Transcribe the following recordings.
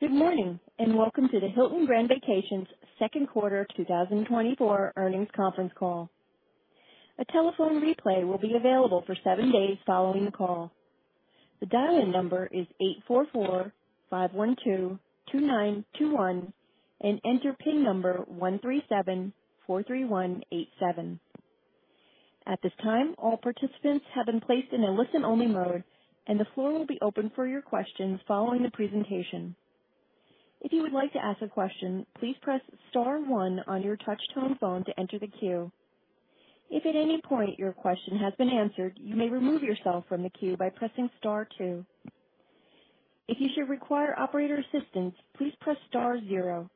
Good morning, and welcome to the Hilton Grand Vacations second quarter 2024 earnings conference call. A telephone replay will be available for seven days following the call. The dial-in number is 844-512-2921 and enter PIN number 13743187. At this time, all participants have been placed in a listen-only mode, and the floor will be open for your questions following the presentation. If you would like to ask a question, please press star one on your touchtone phone to enter the queue. If at any point your question has been answered, you may remove yourself from the queue by pressing star two. If you should require operator assistance, please press star zero.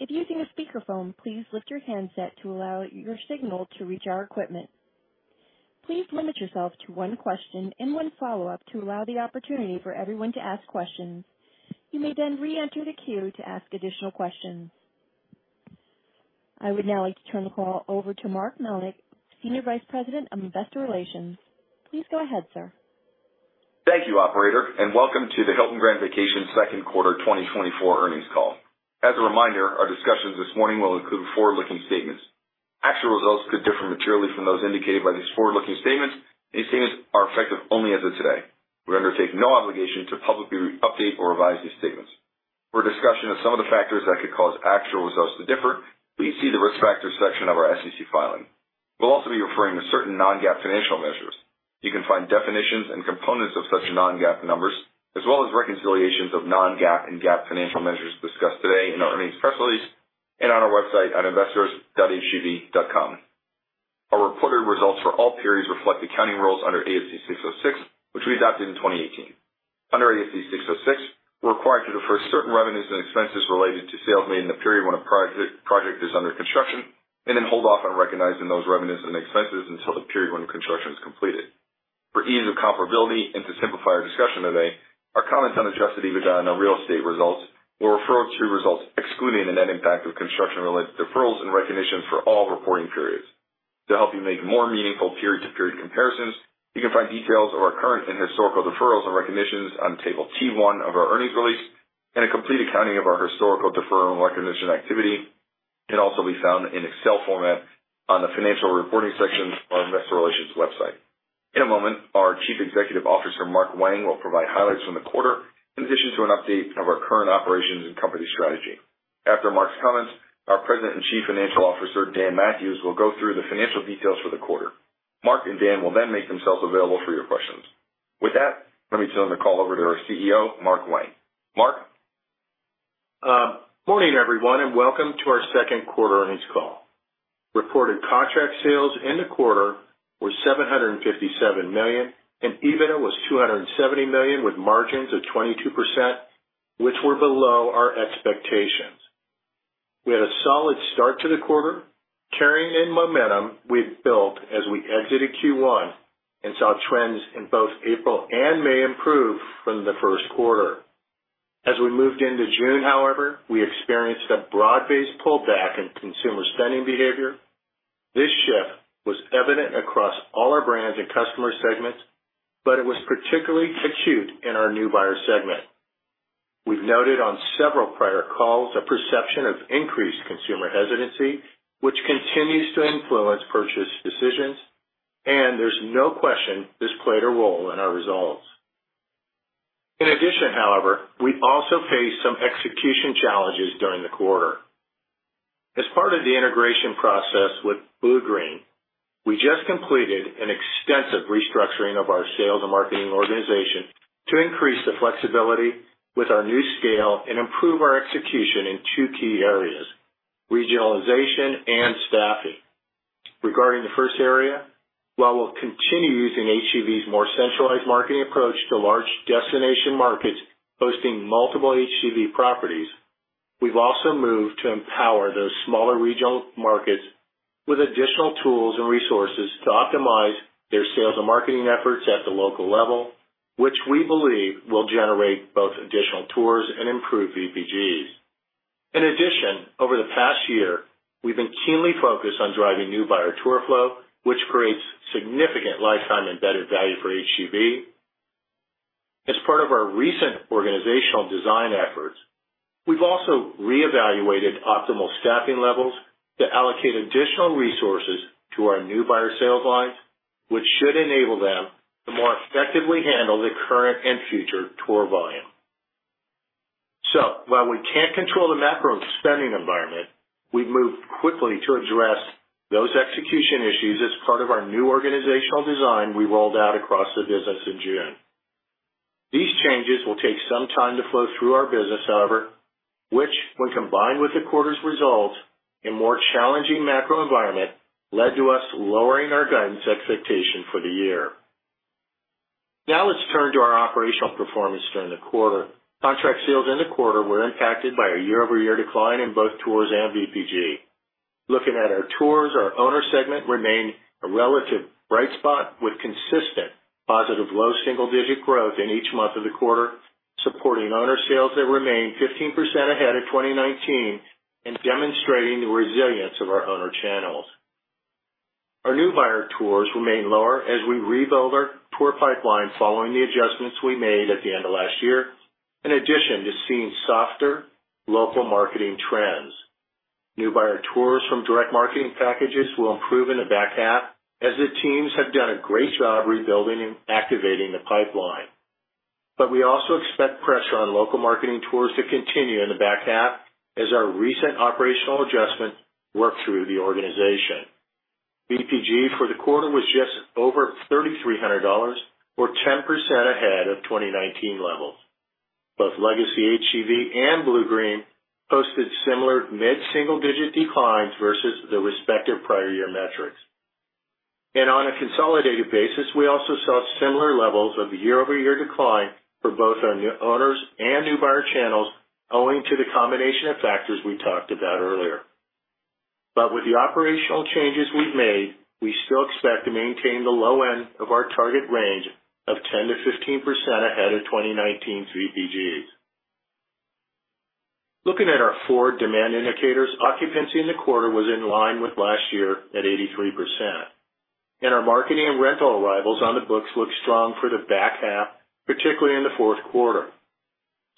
If using a speakerphone, please lift your handset to allow your signal to reach our equipment. Please limit yourself to one question and one follow-up to allow the opportunity for everyone to ask questions. You may then reenter the queue to ask additional questions. I would now like to turn the call over to Mark Melnyk, Senior Vice President of Investor Relations. Please go ahead, sir. Thank you, operator, and welcome to the Hilton Grand Vacations second quarter 2024 earnings call. As a reminder, our discussions this morning will include forward-looking statements. Actual results could differ materially from those indicated by these forward-looking statements. These statements are effective only as of today. We undertake no obligation to publicly update or revise these statements. For a discussion of some of the factors that could cause actual results to differ, please see the Risk Factors section of our SEC filing. We'll also be referring to certain non-GAAP financial measures. You can find definitions and components of such non-GAAP numbers, as well as reconciliations of non-GAAP and GAAP financial measures discussed today in our earnings press release and on our website at investors.hgv.com. Our reported results for all periods reflect accounting rules under ASC 606, which we adopted in 2018. Under ASC 606, we're required to defer certain revenues and expenses related to sales made in the period when a project is under construction, and then hold off on recognizing those revenues and expenses until the period when the construction is completed. For ease of comparability and to simplify our discussion today, our comments on Adjusted EBITDA and our real estate results will refer to results excluding the net impact of construction-related deferrals and recognition for all reporting periods. To help you make more meaningful period-to-period comparisons, you can find details of our current and historical deferrals and recognitions on Table T1 of our earnings release, and a complete accounting of our historical deferral and recognition activity can also be found in Excel format on the financial reporting section of our investor relations website. In a moment, our Chief Executive Officer, Mark Wang, will provide highlights from the quarter in addition to an update of our current operations and company strategy. After Mark's comments, our President and Chief Financial Officer, Dan Mathewes, will go through the financial details for the quarter. Mark and Dan will then make themselves available for your questions. With that, let me turn the call over to our CEO, Mark Wang. Mark? Morning, everyone, and welcome to our second quarter earnings call. Reported contract sales in the quarter were $757 million, and EBITDA was $270 million with margins of 22%, which were below our expectations. We had a solid start to the quarter, carrying in momentum we'd built as we exited Q1 and saw trends in both April and May improve from the first quarter. As we moved into June, however, we experienced a broad-based pullback in consumer spending behavior. This shift was evident across all our brands and customer segments, but it was particularly acute in our new buyer segment. We've noted on several prior calls a perception of increased consumer hesitancy, which continues to influence purchase decisions, and there's no question this played a role in our results. In addition, however, we also faced some execution challenges during the quarter. As part of the integration process with Bluegreen, we just completed an extensive restructuring of our sales and marketing organization to increase the flexibility with our new scale and improve our execution in two key areas: regionalization and staffing. Regarding the first area, while we'll continue using HGV's more centralized marketing approach to large destination markets hosting multiple HGV properties, we've also moved to empower those smaller regional markets with additional tools and resources to optimize their sales and marketing efforts at the local level, which we believe will generate both additional tours and improve VPGs. In addition, over the past year, we've been keenly focused on driving new buyer tour flow, which creates significant lifetime embedded value for HGV. As part of our recent organizational design efforts, we've also reevaluated optimal staffing levels to allocate additional resources to our new buyer sales lines, which should enable them to more effectively handle the current and future tour volume. So while we can't control the macro spending environment, we've moved quickly to address those execution issues as part of our new organizational design we rolled out across the business in June. These changes will take some time to flow through our business, however, which, when combined with the quarter's results and more challenging macro environment, led to us lowering our guidance expectation for the year. Now, let's turn to our operational performance during the quarter. Contract sales in the quarter were impacted by a year-over-year decline in both tours and VPG. Looking at our tours, our owner segment remained a relative bright spot, with consistent positive, low single-digit growth in each month of the quarter, supporting owner sales that remained 15% ahead of 2019 and demonstrating the resilience of our owner channels. Our new buyer tours remain lower as we rebuild our tour pipeline following the adjustments we made at the end of last year, in addition to seeing softer local marketing trends. New buyer tours from direct marketing packages will improve in the back half, as the teams have done a great job rebuilding and activating the pipeline. But we also expect pressure on local marketing tours to continue in the back half as our recent operational adjustments work through the organization. VPG for the quarter was just over $3,300, or 10% ahead of 2019 levels. Both Legacy HGV and Bluegreen posted similar mid-single-digit declines versus the respective prior year metrics. On a consolidated basis, we also saw similar levels of year-over-year decline for both our new owners and new buyer channels, owing to the combination of factors we talked about earlier. With the operational changes we've made, we still expect to maintain the low end of our target range of 10%-15% ahead of 2019 VPGs. Looking at our four demand indicators, occupancy in the quarter was in line with last year at 83%, and our marketing and rental arrivals on the books look strong for the back half, particularly in the fourth quarter.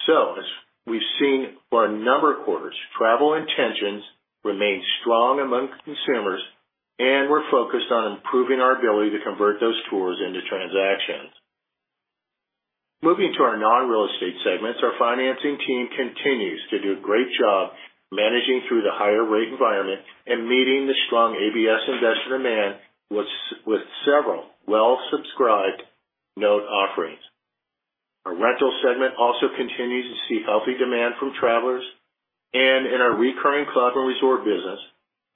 As we've seen for a number of quarters, travel intentions remain strong among consumers, and we're focused on improving our ability to convert those tours into transactions. Moving to our non-real estate segments, our financing team continues to do a great job managing through the higher rate environment and meeting the strong ABS investor demand with several well-subscribed note offerings. Our rental segment also continues to see healthy demand from travelers, and in our recurring club and resort business,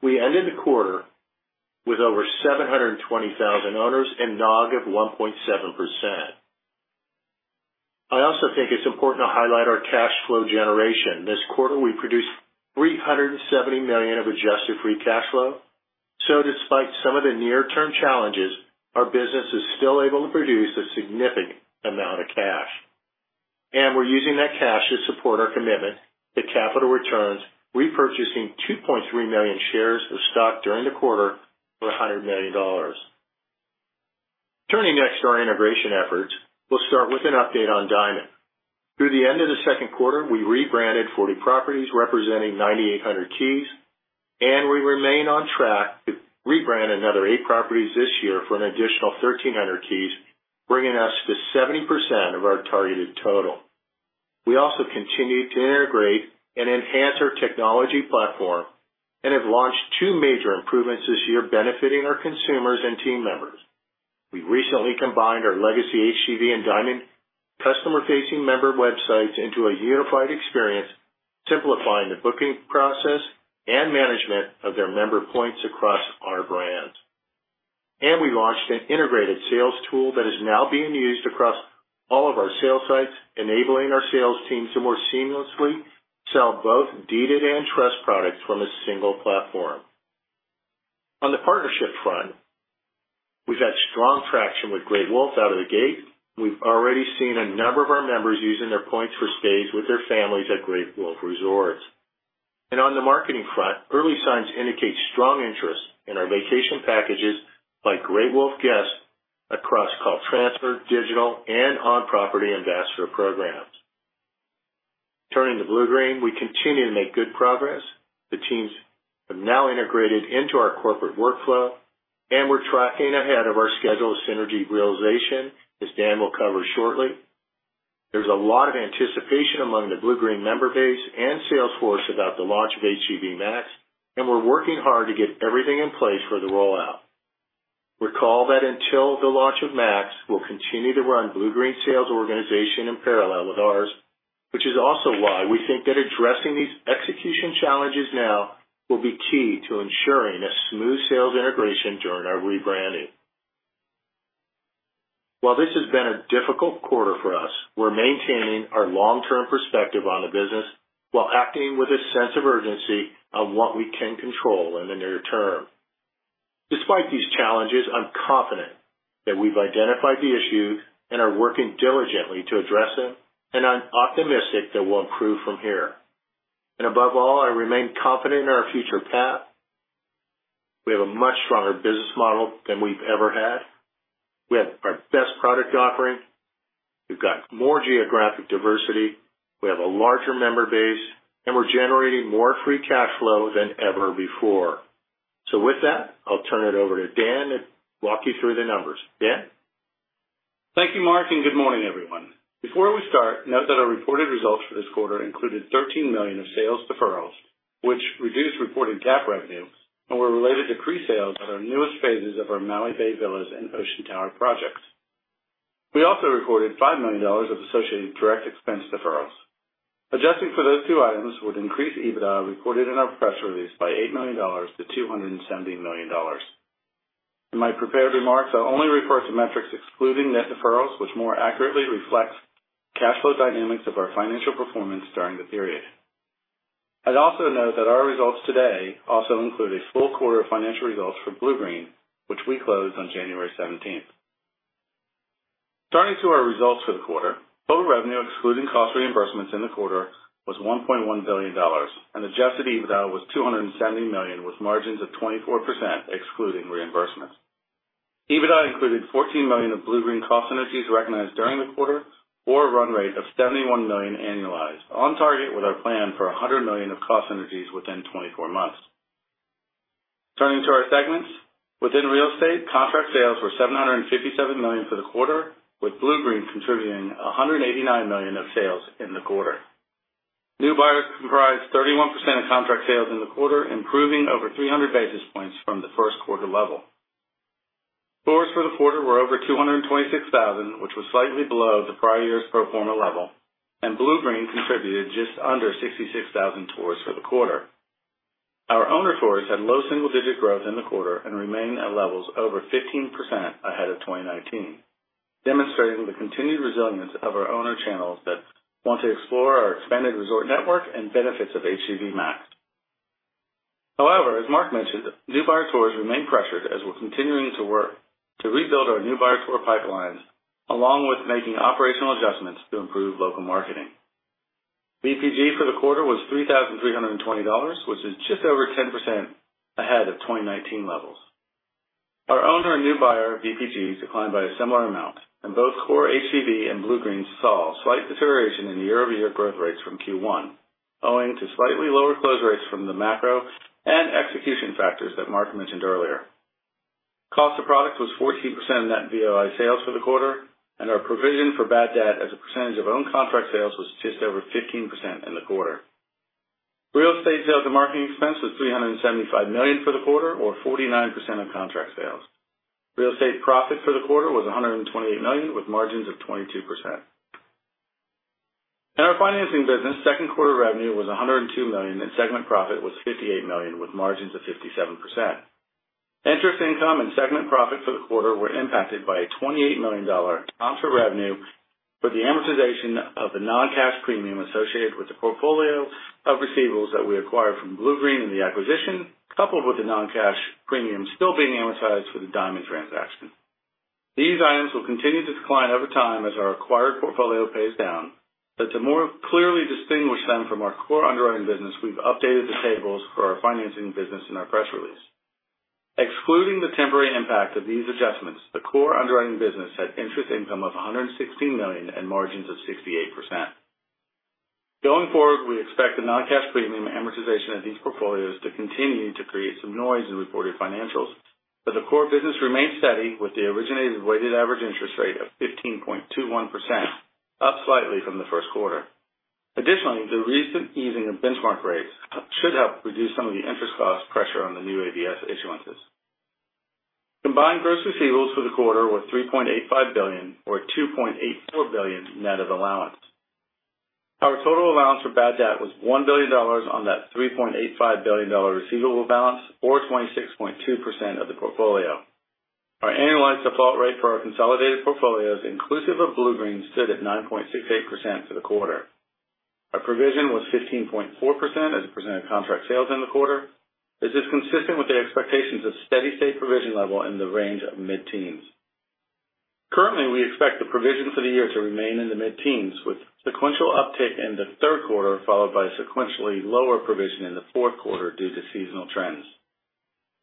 we ended the quarter with over 720,000 owners and NOG of 1.7%. I also think it's important to highlight our cash flow generation. This quarter, we produced $370 million of adjusted free cash flow. So despite some of the near-term challenges, our business is still able to produce a significant amount of cash, and we're using that cash to support our commitment to capital returns, repurchasing 2.3 million shares of stock during the quarter for $100 million. Turning next to our integration efforts, we'll start with an update on Diamond. Through the end of the second quarter, we rebranded 40 properties, representing 9,800 keys, and we remain on track to rebrand another 8 properties this year for an additional 1,300 keys, bringing us to 70% of our targeted total. We also continued to integrate and enhance our technology platform and have launched 2 major improvements this year benefiting our consumers and team members. We recently combined our legacy HGV and Diamond customer-facing member websites into a unified experience, simplifying the booking process and management of their member points across our brands. And we launched an integrated sales tool that is now being used across all of our sales sites, enabling our sales teams to more seamlessly sell both deeded and trust products from a single platform. On the partnership front, we've had strong traction with Great Wolf out of the gate. We've already seen a number of our members using their points for stays with their families at Great Wolf Resorts. On the marketing front, early signs indicate strong interest in our vacation packages by Great Wolf guests across call transfer, digital, and on-property ambassador programs. Turning to Bluegreen, we continue to make good progress. The teams have now integrated into our corporate workflow, and we're tracking ahead of our scheduled synergy realization, as Dan will cover shortly. There's a lot of anticipation among the Bluegreen member base and sales force about the launch of HGV Max, and we're working hard to get everything in place for the rollout. Recall that until the launch of Max, we'll continue to run Bluegreen sales organization in parallel with ours, which is also why we think that addressing these execution challenges now will be key to ensuring a smooth sales integration during our rebranding. While this has been a difficult quarter for us, we're maintaining our long-term perspective on the business while acting with a sense of urgency on what we can control in the near term. Despite these challenges, I'm confident that we've identified the issues and are working diligently to address them, and I'm optimistic that we'll improve from here. Above all, I remain confident in our future path. We have a much stronger business model than we've ever had. We have our best product offering. We've got more geographic diversity, we have a larger member base, and we're generating more free cash flow than ever before. With that, I'll turn it over to Dan to walk you through the numbers. Dan? Thank you, Mark, and good morning, everyone. Before we start, note that our reported results for this quarter included $13 million of sales deferrals, which reduced reported GAAP revenue and were related to presales at our newest phases of our Maui Bay Villas and Ocean Tower projects. We also recorded $5 million of associated direct expense deferrals. Adjusting for those two items would increase EBITDA reported in our press release by $8 million to $270 million. In my prepared remarks, I'll only refer to metrics excluding net deferrals, which more accurately reflects cash flow dynamics of our financial performance during the period. I'd also note that our results today also include a full quarter of financial results from Bluegreen, which we closed on January seventeenth. Turning to our results for the quarter. Total revenue, excluding cost reimbursements in the quarter, was $1.1 billion, and adjusted EBITDA was $270 million, with margins of 24%, excluding reimbursements. EBITDA included $14 million of Bluegreen cost synergies recognized during the quarter, or a run rate of $71 million annualized, on target with our plan for $100 million of cost synergies within 24 months. Turning to our segments. Within real estate, contract sales were $757 million for the quarter, with Bluegreen contributing $189 million of sales in the quarter. New buyers comprised 31% of contract sales in the quarter, improving over 300 basis points from the first quarter level. Tours for the quarter were over 226,000, which was slightly below the prior year's pro forma level, and Bluegreen contributed just under 66,000 tours for the quarter. Our owner tours had low single-digit growth in the quarter and remained at levels over 15% ahead of 2019, demonstrating the continued resilience of our owner channels that want to explore our expanded resort network and benefits of HGV Max. However, as Mark mentioned, new buyer tours remain pressured as we're continuing to work to rebuild our new buyer tour pipelines, along with making operational adjustments to improve local marketing. VPG for the quarter was $3,320, which is just over 10% ahead of 2019 levels. Our owner and new buyer VPGs declined by a similar amount, and both core HGV and Bluegreen saw slight deterioration in year-over-year growth rates from Q1, owing to slightly lower close rates from the macro and execution factors that Mark mentioned earlier. Cost of products was 14% of net VOI sales for the quarter, and our provision for bad debt as a percentage of own contract sales was just over 15% in the quarter. Real estate sales and marketing expense was $375 million for the quarter, or 49% of contract sales. Real estate profit for the quarter was $128 million, with margins of 22%. In our financing business, second quarter revenue was $102 million, and segment profit was $58 million, with margins of 57%. Interest income and segment profit for the quarter were impacted by a $28 million transfer revenue for the amortization of the non-cash premium associated with the portfolio of receivables that we acquired from Bluegreen in the acquisition, coupled with the non-cash premium still being amortized for the Diamond transaction. These items will continue to decline over time as our acquired portfolio pays down, but to more clearly distinguish them from our core underwriting business, we've updated the tables for our financing business in our press release. Excluding the temporary impact of these adjustments, the core underwriting business had interest income of $116 million and margins of 68%. Going forward, we expect the non-cash premium amortization of these portfolios to continue to create some noise in reported financials, but the core business remains steady, with the originated weighted average interest rate of 15.21%, up slightly from the first quarter. Additionally, the recent easing of benchmark rates should help reduce some of the interest cost pressure on the new ABS issuances. Combined gross receivables for the quarter were $3.85 billion, or $2.84 billion net of allowance. Our total allowance for bad debt was $1 billion on that $3.85 billion receivable balance, or 26.2% of the portfolio. Our annualized default rate for our consolidated portfolios, inclusive of Bluegreen, stood at 9.68% for the quarter. Our provision was 15.4% as a % of contract sales in the quarter. This is consistent with the expectations of steady state provision level in the range of mid-teens. Currently, we expect the provision for the year to remain in the mid-teens, with sequential uptick in the third quarter, followed by sequentially lower provision in the fourth quarter due to seasonal trends.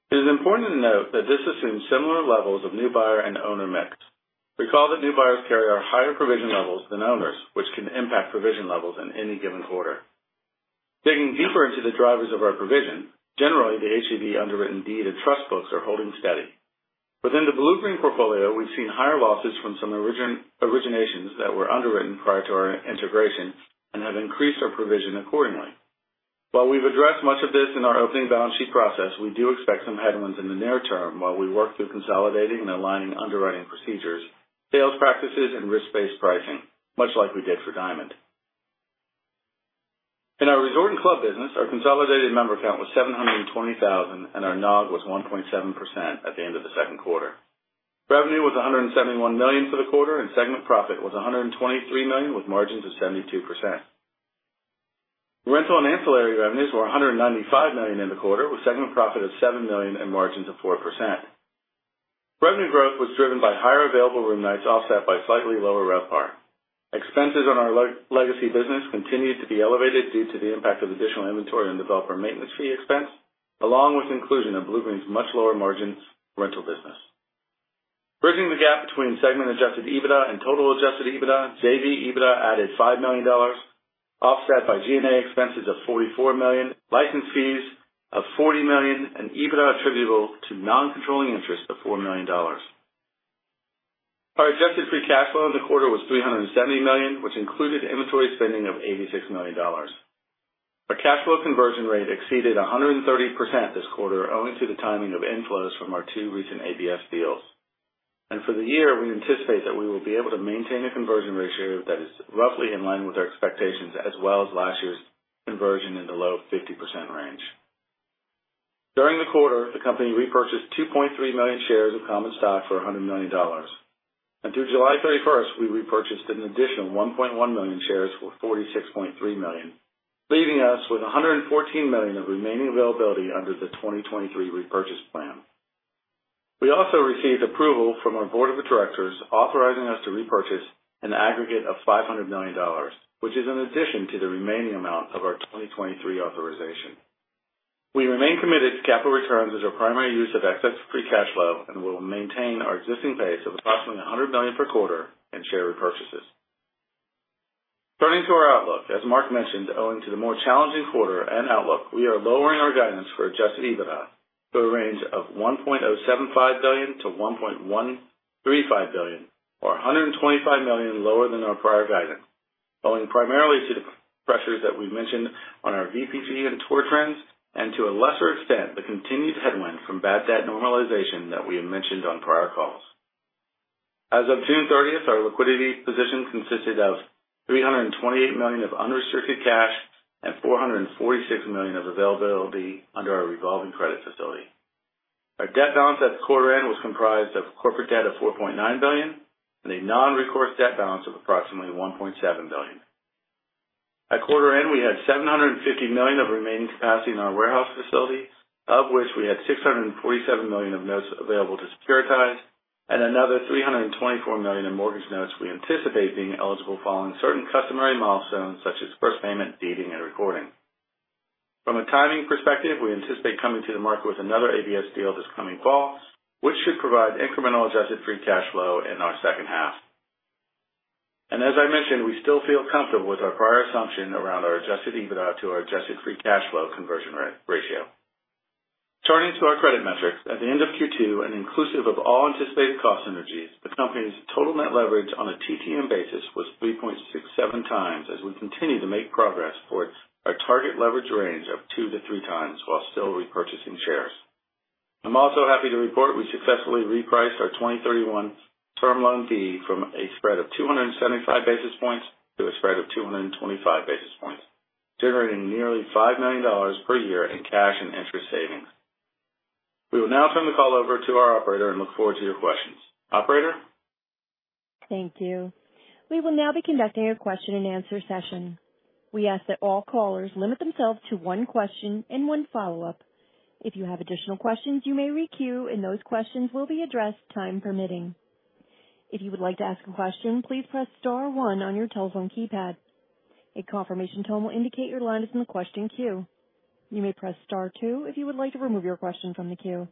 It is important to note that this assumes similar levels of new buyer and owner mix. Recall that new buyers carry our higher provision levels than owners, which can impact provision levels in any given quarter. Digging deeper into the drivers of our provision, generally, the HGV underwritten deed and trust books are holding steady. Within the Bluegreen portfolio, we've seen higher losses from some originations that were underwritten prior to our integration and have increased our provision accordingly. While we've addressed much of this in our opening balance sheet process, we do expect some headwinds in the near term while we work through consolidating and aligning underwriting procedures, sales practices, and risk-based pricing, much like we did for Diamond. In our resort and club business, our consolidated member count was 720,000, and our NOG was 1.7% at the end of the second quarter. Revenue was $171 million for the quarter, and segment profit was $123 million, with margins of 72%. Rental and ancillary revenues were $195 million in the quarter, with segment profit of $7 million and margins of 4%. Revenue growth was driven by higher available room nights, offset by slightly lower RevPAR. Expenses on our legacy business continued to be elevated due to the impact of additional inventory and developer maintenance fee expense, along with inclusion of Bluegreen's much lower margins rental business. Bridging the gap between segment Adjusted EBITDA and total Adjusted EBITDA, JV EBITDA added $5 million, offset by G&A expenses of $44 million, license fees of $40 million, and EBITDA attributable to non-controlling interest of $4 million. Our adjusted free cash flow in the quarter was $370 million, which included inventory spending of $86 million. Our cash flow conversion rate exceeded 130% this quarter, owing to the timing of inflows from our two recent ABS deals. For the year, we anticipate that we will be able to maintain a conversion ratio that is roughly in line with our expectations, as well as last year's conversion in the low 50% range. During the quarter, the company repurchased 2.3 million shares of common stock for $100 million, and through July thirty-first, we repurchased an additional 1.1 million shares for $46.3 million.... leaving us with $114 million of remaining availability under the 2023 repurchase plan. We also received approval from our board of directors, authorizing us to repurchase an aggregate of $500 million, which is an addition to the remaining amount of our 2023 authorization. We remain committed to capital returns as our primary use of excess free cash flow, and we'll maintain our existing pace of approximately $100 million per quarter in share repurchases. Turning to our outlook, as Mark mentioned, owing to the more challenging quarter and outlook, we are lowering our guidance for Adjusted EBITDA to a range of $1.075 billion-$1.135 billion, or $125 million lower than our prior guidance. Owing primarily to the pressures that we've mentioned on our VPG and tour trends, and to a lesser extent, the continued headwind from bad debt normalization that we have mentioned on prior calls. As of June 30th, our liquidity position consisted of $328 million of unrestricted cash and $446 million of availability under our revolving credit facility. Our debt balance at the quarter end was comprised of corporate debt of $4.9 billion and a non-recourse debt balance of approximately $1.7 billion. At quarter end, we had $750 million of remaining capacity in our warehouse facilities, of which we had $647 million of notes available to securitize and another $324 million in mortgage notes we anticipate being eligible following certain customary milestones, such as first payment, deeding, and recording. From a timing perspective, we anticipate coming to the market with another ABS deal this coming fall, which should provide incremental adjusted free cash flow in our second half. And as I mentioned, we still feel comfortable with our prior assumption around our Adjusted EBITDA to our adjusted free cash flow conversion ratio. Turning to our credit metrics, at the end of Q2 and inclusive of all anticipated cost synergies, the company's total net leverage on a TTM basis was 3.67 times, as we continue to make progress towards our target leverage range of 2-3 times while still repurchasing shares. I'm also happy to report we successfully repriced our 2031 Term Loan B from a spread of 275 basis points to a spread of 225 basis points, generating nearly $5 million per year in cash and interest savings. We will now turn the call over to our operator and look forward to your questions. Operator? Thank you. We will now be conducting a question-and-answer session. We ask that all callers limit themselves to one question and one follow-up. If you have additional questions, you may requeue, and those questions will be addressed, time permitting. If you would like to ask a question, please press star one on your telephone keypad. A confirmation tone will indicate your line is in the question queue. You may press star two if you would like to remove your question from the queue.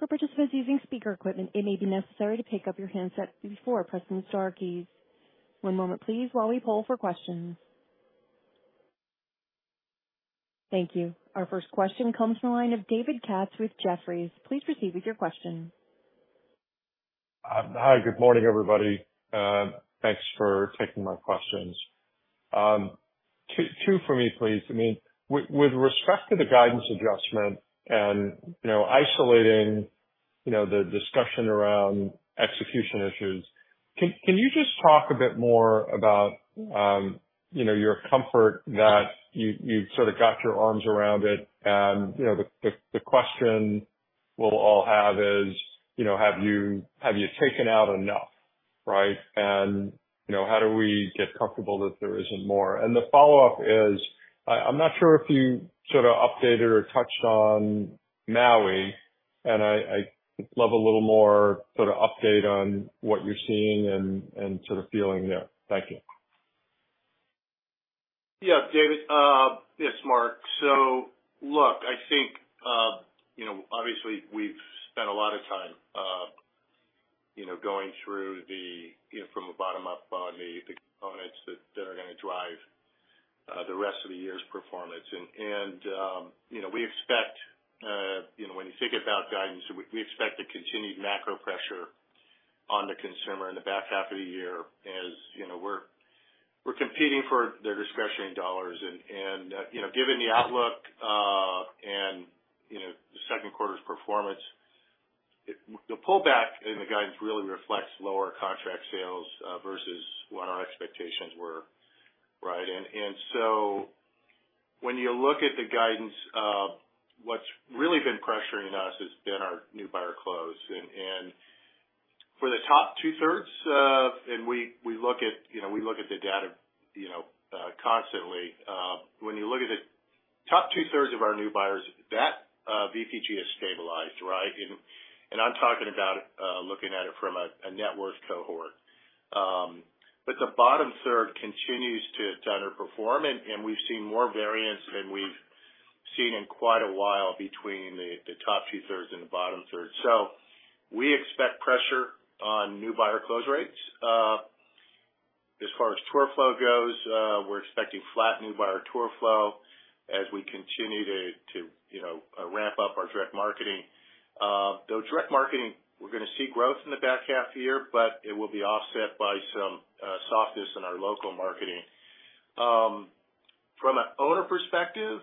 For participants using speaker equipment, it may be necessary to pick up your handset before pressing the star keys. One moment please, while we poll for questions. Thank you. Our first question comes from the line of David Katz with Jefferies. Please proceed with your question. Hi, good morning, everybody. Thanks for taking my questions. 2, 2 for me, please. I mean, with respect to the guidance adjustment and, you know, isolating, you know, the discussion around execution issues, can you just talk a bit more about, you know, your comfort that you, you've sort of got your arms around it? And, you know, the question we'll all have is, you know, have you taken out enough, right? And, you know, how do we get comfortable that there isn't more? And the follow-up is, I'm not sure if you sort of updated or touched on Maui, and I'd love a little more sort of update on what you're seeing and sort of feeling there. Thank you. Yeah, David. Yes, Mark. So look, I think, you know, obviously, we've spent a lot of time, you know, going through the, you know, from a bottom up on the components that are going to drive the rest of the year's performance. And, you know, we expect, you know, when you think about guidance, we expect a continued macro pressure on the consumer in the back half of the year, as you know, we're competing for their discretionary dollars. And, you know, given the outlook, and you know, the second quarter's performance, the pullback in the guidance really reflects lower contract sales versus what our expectations were. Right? And so when you look at the guidance, what's really been pressuring us has been our new buyer close. For the top two-thirds, we look at, you know, we look at the data, you know, constantly. When you look at the top two-thirds of our new buyers, that VPG has stabilized, right? And I'm talking about looking at it from a net worth cohort. But the bottom third continues to underperform, and we've seen more variance than we've seen in quite a while between the top two-thirds and the bottom third. So we expect pressure on new buyer close rates. As far as tour flow goes, we're expecting flat new buyer tour flow as we continue to you know ramp up our direct marketing. Though direct marketing, we're going to see growth in the back half of the year, but it will be offset by some softness in our local marketing. From an owner perspective,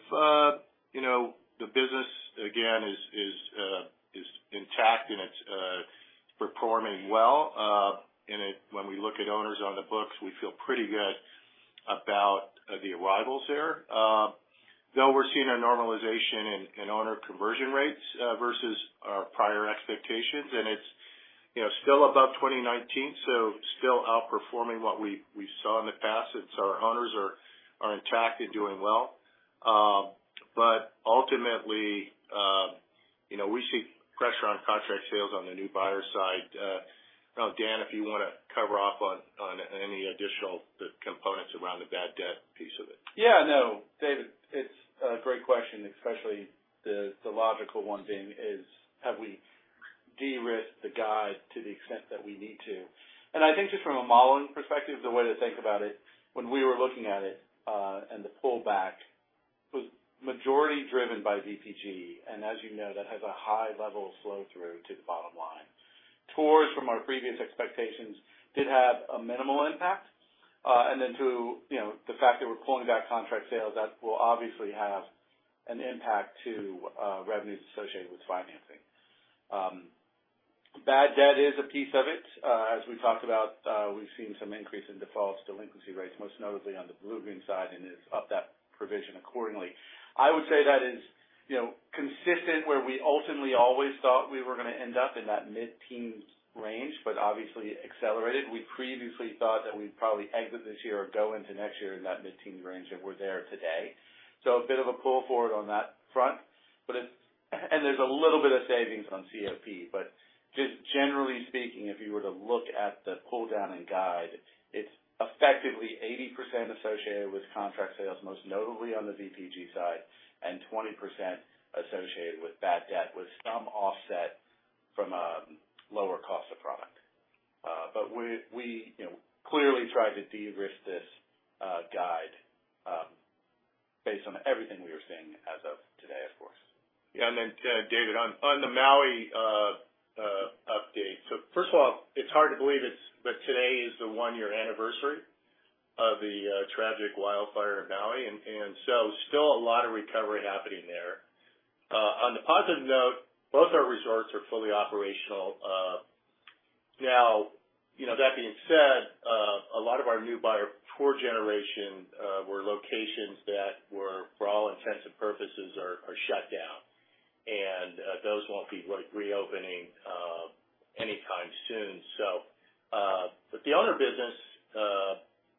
you know, the business again is intact and it's performing well. When we look at owners on the books, we feel pretty good about the arrivals there. Though we're seeing a normalization in owner conversion rates versus our prior expectations, you know, still above 2019, so still outperforming what we saw in the past. It's our owners are intact and doing well. But ultimately, you know, we see pressure on contract sales on the new buyer side. I don't know, Dan, if you wanna cover off on any additional components around the bad debt piece of it? Yeah, no, David, it's a great question, especially the, the logical one being is, have we derisked the guide to the extent that we need to? And I think just from a modeling perspective, the way to think about it, when we were looking at it, and the pullback was majority driven by VPG, and as you know, that has a high level of flow through to the bottom line. Tours, from our previous expectations, did have a minimal impact. And then to, you know, the fact that we're pulling back contract sales, that will obviously have an impact to, revenues associated with financing. Bad debt is a piece of it. As we talked about, we've seen some increase in defaults, delinquency rates, most notably on the Bluegreen side, and it's up that provision accordingly. I would say that is, you know, consistent where we ultimately always thought we were gonna end up in that mid-teens range, but obviously accelerated. We previously thought that we'd probably exit this year or go into next year in that mid-teens range, and we're there today. So a bit of a pull forward on that front, but it's and there's a little bit of savings on CFP, but just generally speaking, if you were to look at the pull down in guide, it's effectively 80% associated with contract sales, most notably on the VPG side, and 20% associated with bad debt, with some offset from lower cost of product. But we, you know, clearly tried to derisk this guide based on everything we are seeing as of today, of course. Yeah, and then, David, on the Maui update. So first of all, it's hard to believe it's, but today is the one-year anniversary of the tragic wildfire in Maui, and so still a lot of recovery happening there. On the positive note, both our resorts are fully operational. Now, you know, that being said, a lot of our new buyer tour generation were locations that were, for all intents and purposes, shut down, and those won't be reopening anytime soon. So, but the owner business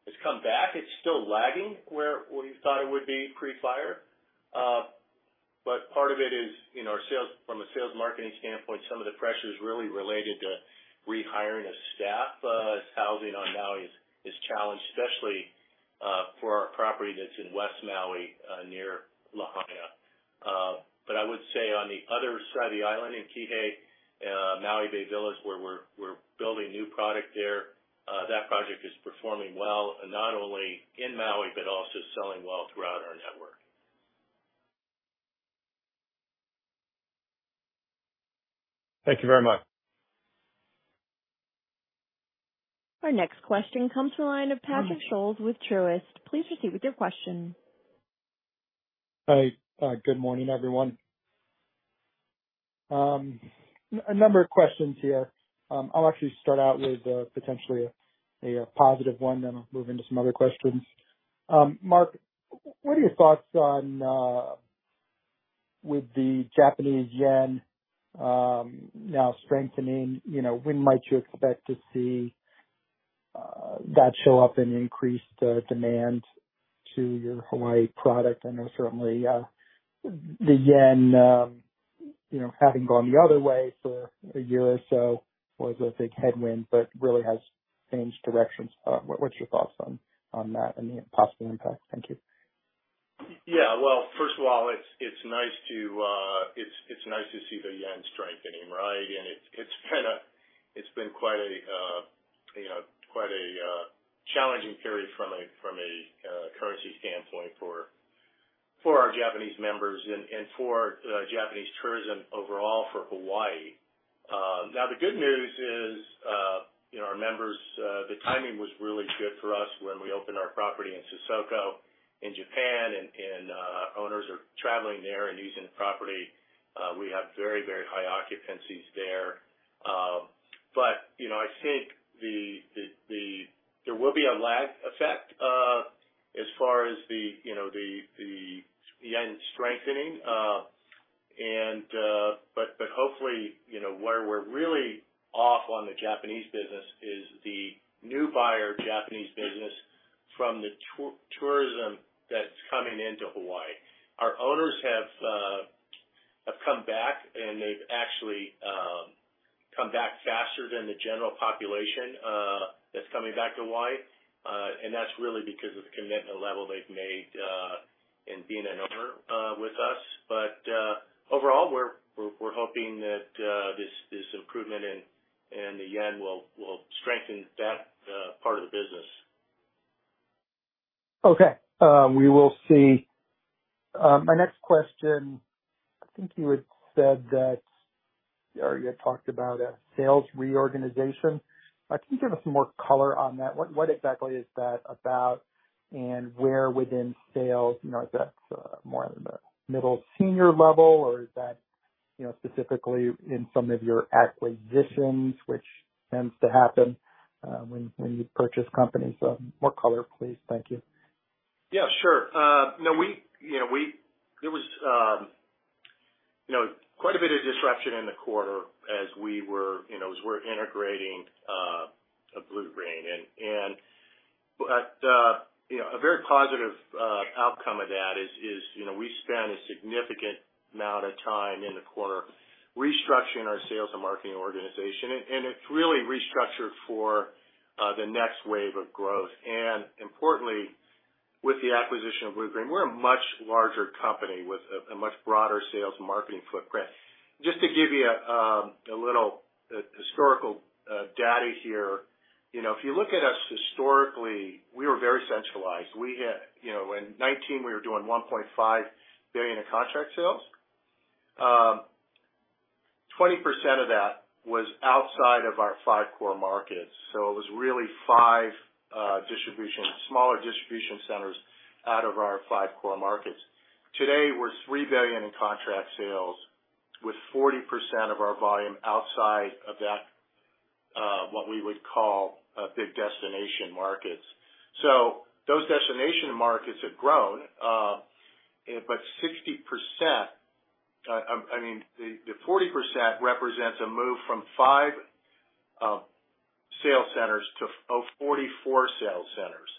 has come back. It's still lagging where we thought it would be pre-fire. But part of it is, you know, our sales from a sales and marketing standpoint, some of the pressure is really related to rehiring of staff, as housing on Maui is, is challenged, especially, for our property that's in West Maui, near Lahaina. But I would say on the other side of the island in Kihei, Maui Bay Villas, where we're, we're building new product there, that project is performing well, not only in Maui, but also selling well throughout our network. Thank you very much. Our next question comes from the line of Patrick Scholes with Truist. Please proceed with your question. Hi, good morning, everyone. A number of questions here. I'll actually start out with potentially a positive one, then I'll move into some other questions. Mark, what are your thoughts on with the Japanese yen now strengthening, you know, when might you expect to see that show up in increased demand to your Hawaii product? I know certainly the yen, you know, having gone the other way for a year or so was a big headwind, but really has changed directions. What are your thoughts on that and the possible impact? Thank you. Yeah, well, first of all, it's nice to see the yen strengthening, right? And it's been quite a, you know, quite a challenging period from a currency standpoint for our Japanese members and for Japanese tourism overall for Hawaii. Now, the good news is, you know, our members, the timing was really good for us when we opened our property in Sesoko, in Japan, and owners are traveling there and using the property. We have very, very high occupancies there. But, you know, I think there will be a lag effect, as far as the, you know, the yen strengthening. Hopefully, you know, where we're really off on the Japanese business is the new buyer Japanese business from the tourism that's coming into Hawaii. Our owners have come back, and they've actually come back faster than the general population that's coming back to Hawaii. And that's really because of the commitment level they've made in being an owner with us. But overall, we're hoping that this improvement in the yen will strengthen that part of the business. Okay, we will see. My next question, I think you had said that, or you had talked about a sales reorganization. Can you give us some more color on that? What exactly is that about? And where within sales, you know, is that more in the middle senior level, or is that, you know, specifically in some of your acquisitions, which tends to happen when you purchase companies? More color, please. Thank you.... Yeah, sure. No, we, you know, there was you know, quite a bit of disruption in the quarter as we were, you know, as we're integrating Bluegreen. But you know, a very positive outcome of that is, you know, we spent a significant amount of time in the quarter restructuring our sales and marketing organization, and it's really restructured for the next wave of growth. And importantly, with the acquisition of Bluegreen, we're a much larger company with a much broader sales and marketing footprint. Just to give you a little historical data here, you know, if you look at us historically, we were very centralized. We had... You know, in 2019, we were doing $1.5 billion in contract sales. 20% of that was outside of our five core markets, so it was really five smaller distribution centers out of our five core markets. Today, we're $3 billion in contract sales, with 40% of our volume outside of that, what we would call, big destination markets. So those destination markets have grown, but 60%, I mean, the 40% represents a move from five sales centers to 44 sales centers,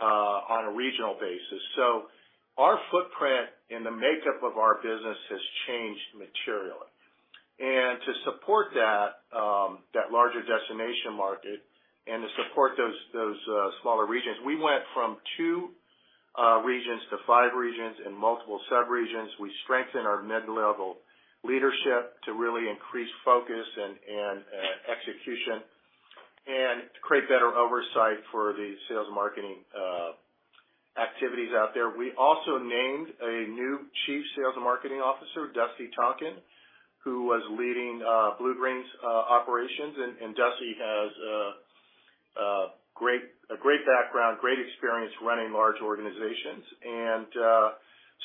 on a regional basis. So our footprint and the makeup of our business has changed materially. And to support that, that larger destination market and to support those smaller regions, we went from two regions to five regions and multiple subregions. We strengthened our mid-level leadership to really increase focus and execution and to create better oversight for the sales and marketing activities out there. We also named a new Chief Sales and Marketing Officer, Dusty Tonkin, who was leading Bluegreen's operations. And Dusty has a great background, great experience running large organizations. And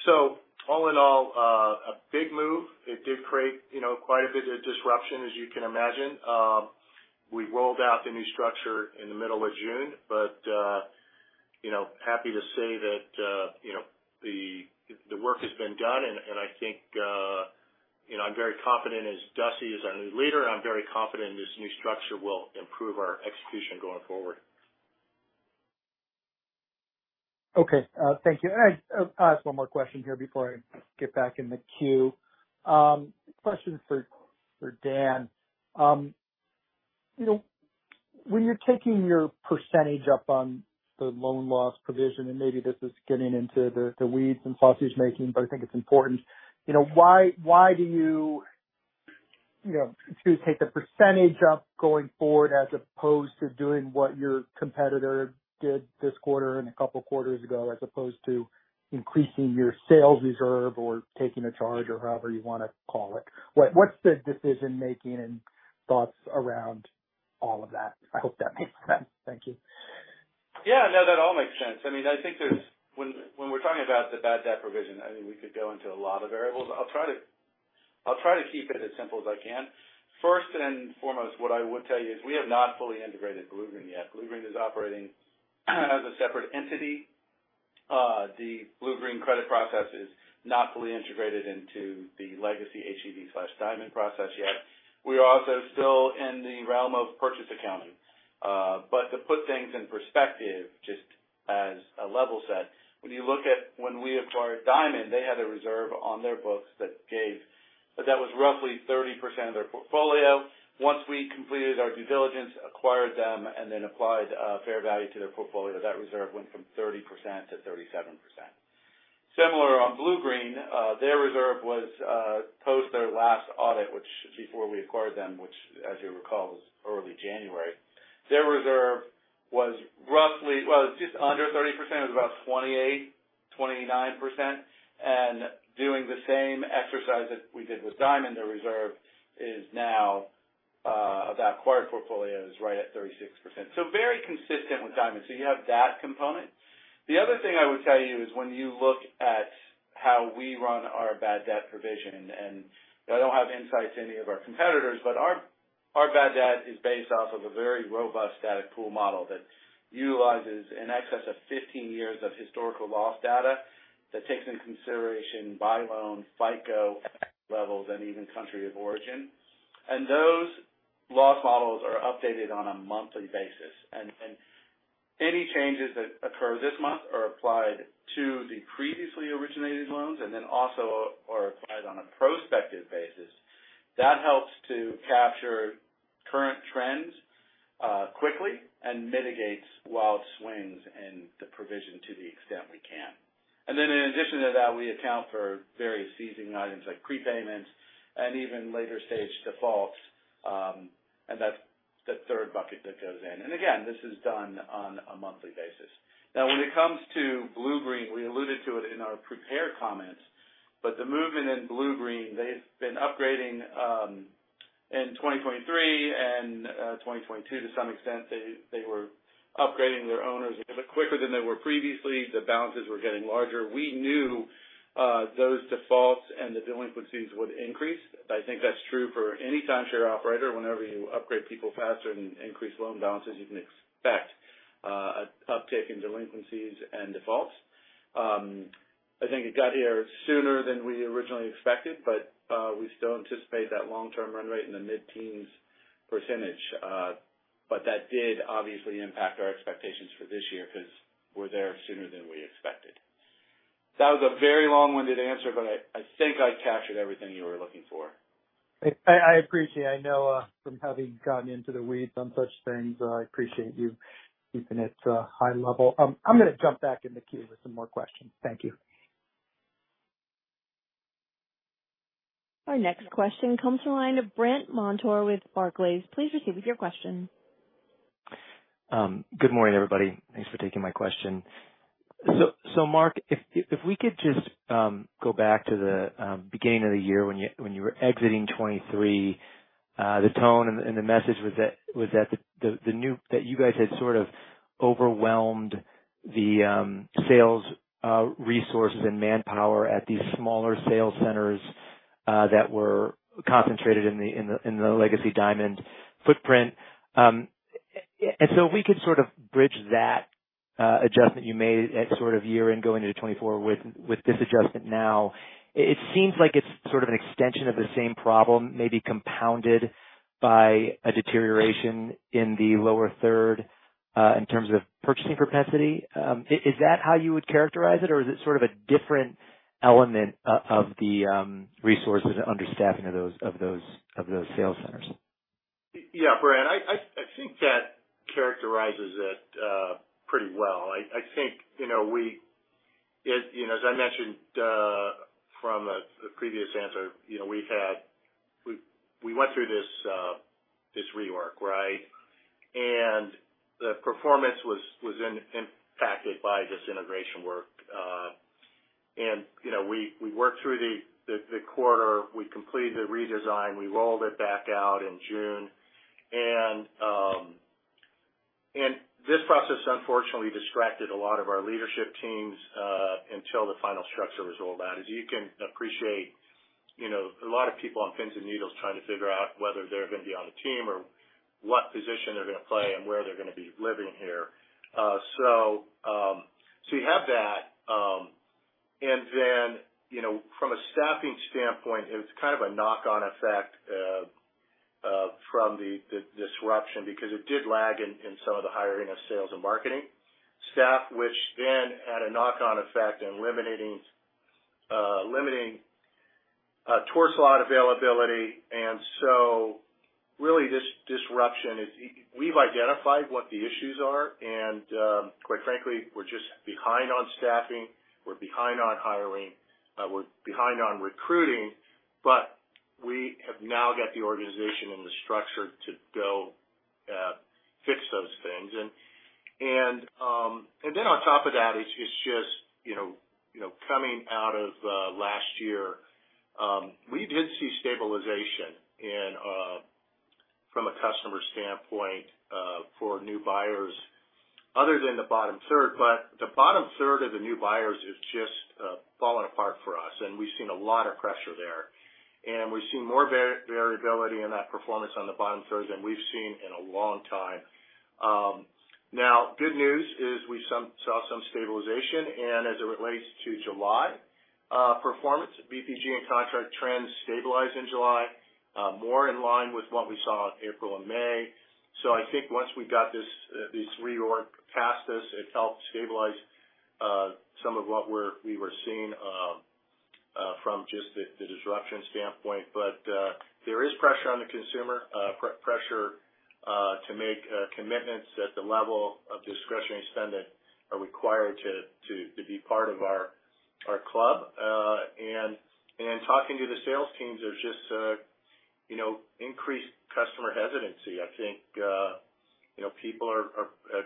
so all in all, a big move. It did create, you know, quite a bit of disruption, as you can imagine. We rolled out the new structure in the middle of June, but you know, happy to say that you know, the work has been done, and I think you know, I'm very confident as Dusty is our new leader, I'm very confident this new structure will improve our execution going forward. Okay, thank you. I'll ask one more question here before I get back in the queue. Question for Dan. You know, when you're taking your percentage up on the loan loss provision, and maybe this is getting into the weeds and sausage making, but I think it's important. You know, why do you choose to take the percentage up going forward, as opposed to doing what your competitor did this quarter and a couple of quarters ago, as opposed to increasing your sales reserve or taking a charge or however you want to call it? What's the decision-making and thoughts around all of that? I hope that makes sense. Thank you. Yeah, no, that all makes sense. I mean, I think there's ... When we're talking about the bad debt provision, I mean, we could go into a lot of variables. I'll try to keep it as simple as I can. First and foremost, what I would tell you is we have not fully integrated Bluegreen yet. Bluegreen is operating as a separate entity. The Bluegreen credit process is not fully integrated into the legacy HGV slash Diamond process yet. We are also still in the realm of purchase accounting. But to put things in perspective, just as a level set, when you look at when we acquired Diamond, they had a reserve on their books that was roughly 30% of their portfolio. Once we completed our due diligence, acquired them, and then applied fair value to their portfolio, that reserve went from 30% to 37%. Similar on Bluegreen, their reserve was post their last audit, which before we acquired them, which, as you recall, was early January. Their reserve was roughly... Well, it was just under 30%. It was about 28-29%. And doing the same exercise that we did with Diamond, their reserve is now of that acquired portfolio, is right at 36%. So very consistent with Diamond. So you have that component. The other thing I would tell you is when you look at how we run our bad debt provision, and I don't have insights to any of our competitors, but our bad debt is based off of a very robust static pool model that utilizes in excess of 15 years of historical loss data that takes into consideration by loan, FICO levels, and even country of origin. And those loss models are updated on a monthly basis, and any changes that occur this month are applied to the previously originated loans and then also are applied on a prospective basis. That helps to capture current trends quickly and mitigates wild swings in the provision to the extent we can. And then in addition to that, we account for various seasoning items like prepayments and even later-stage defaults. And that's the third bucket that goes in. And again, this is done on a monthly basis. Now, when it comes to Bluegreen, we alluded to it in our prepared comments, but the movement in Bluegreen, they've been upgrading in 2023 and 2022 to some extent. They, they were upgrading their owners a bit quicker than they were previously. The balances were and larger, we knew those defaults and the delinquencies would increase. I think that's true for any timeshare operator. Whenever you upgrade people faster and increase loan balances, you can expect a uptick in delinquencies and defaults. I think it got here sooner than we originally expected, but we still anticipate that long-term run rate in the mid-teens %. But that did obviously impact our expectations for this year, because we're there sooner than we expected. That was a very long-winded answer, but I think I captured everything you were looking for. I appreciate. I know, from having gotten into the weeds on such things, I appreciate you keeping it, high level. I'm gonna jump back in the queue with some more questions. Thank you. Our next question comes from the line of Brandt Montour with Barclays. Please proceed with your question. Good morning, everybody. Thanks for taking my question. So, Mark, if we could just go back to the beginning of the year when you were exiting 2023, the tone and the message was that the new-- that you guys had sort of overwhelmed the sales resources and manpower at these smaller sales centers that were concentrated in the legacy Diamond footprint. And so if we could sort of bridge that adjustment you made at sort of year-end going into 2024 with this adjustment now. It seems like it's sort of an extension of the same problem, maybe compounded by a deterioration in the lower third in terms of purchasing propensity. Is that how you would characterize it, or is it sort of a different element of the resources and understaffing of those sales centers? Yeah, Brandt, I think that characterizes it pretty well. I think, you know, we—as you know, as I mentioned, from the previous answer, you know, we had... We went through this rework, right? And the performance was impacted by this integration work. And, you know, we worked through the quarter, we completed the redesign, we rolled it back out in June. And this process unfortunately distracted a lot of our leadership teams until the final structure was rolled out. As you can appreciate, you know, a lot of people on pins and needles trying to figure out whether they're gonna be on the team or what position they're gonna play and where they're gonna be living here. So you have that. And then, you know, from a staffing standpoint, it was kind of a knock-on effect from the disruption, because it did lag in some of the hiring of sales and marketing staff, which then had a knock-on effect in limiting tour slot availability. And so really, this disruption is. We've identified what the issues are, and quite frankly, we're just behind on staffing, we're behind on hiring, we're behind on recruiting, but we have now got the organization and the structure to go fix those things. And then on top of that, it's just, you know, coming out of last year, we did see stabilization and from a customer standpoint, for new buyers other than the bottom third, but the bottom third of the new buyers is just falling apart for us, and we've seen a lot of pressure there. And we've seen more variability in that performance on the bottom third than we've seen in a long time. Now, good news is we saw some stabilization, and as it relates to July performance, VPG and contract trends stabilized in July more in line with what we saw in April and May. So I think once we got this this rework past us, it helped stabilize some of what we were seeing from just the disruption standpoint. But there is pressure on the consumer, pressure to make commitments at the level of discretionary spending required to be part of our club. And talking to the sales teams, there's just, you know, increased customer hesitancy. I think you know people are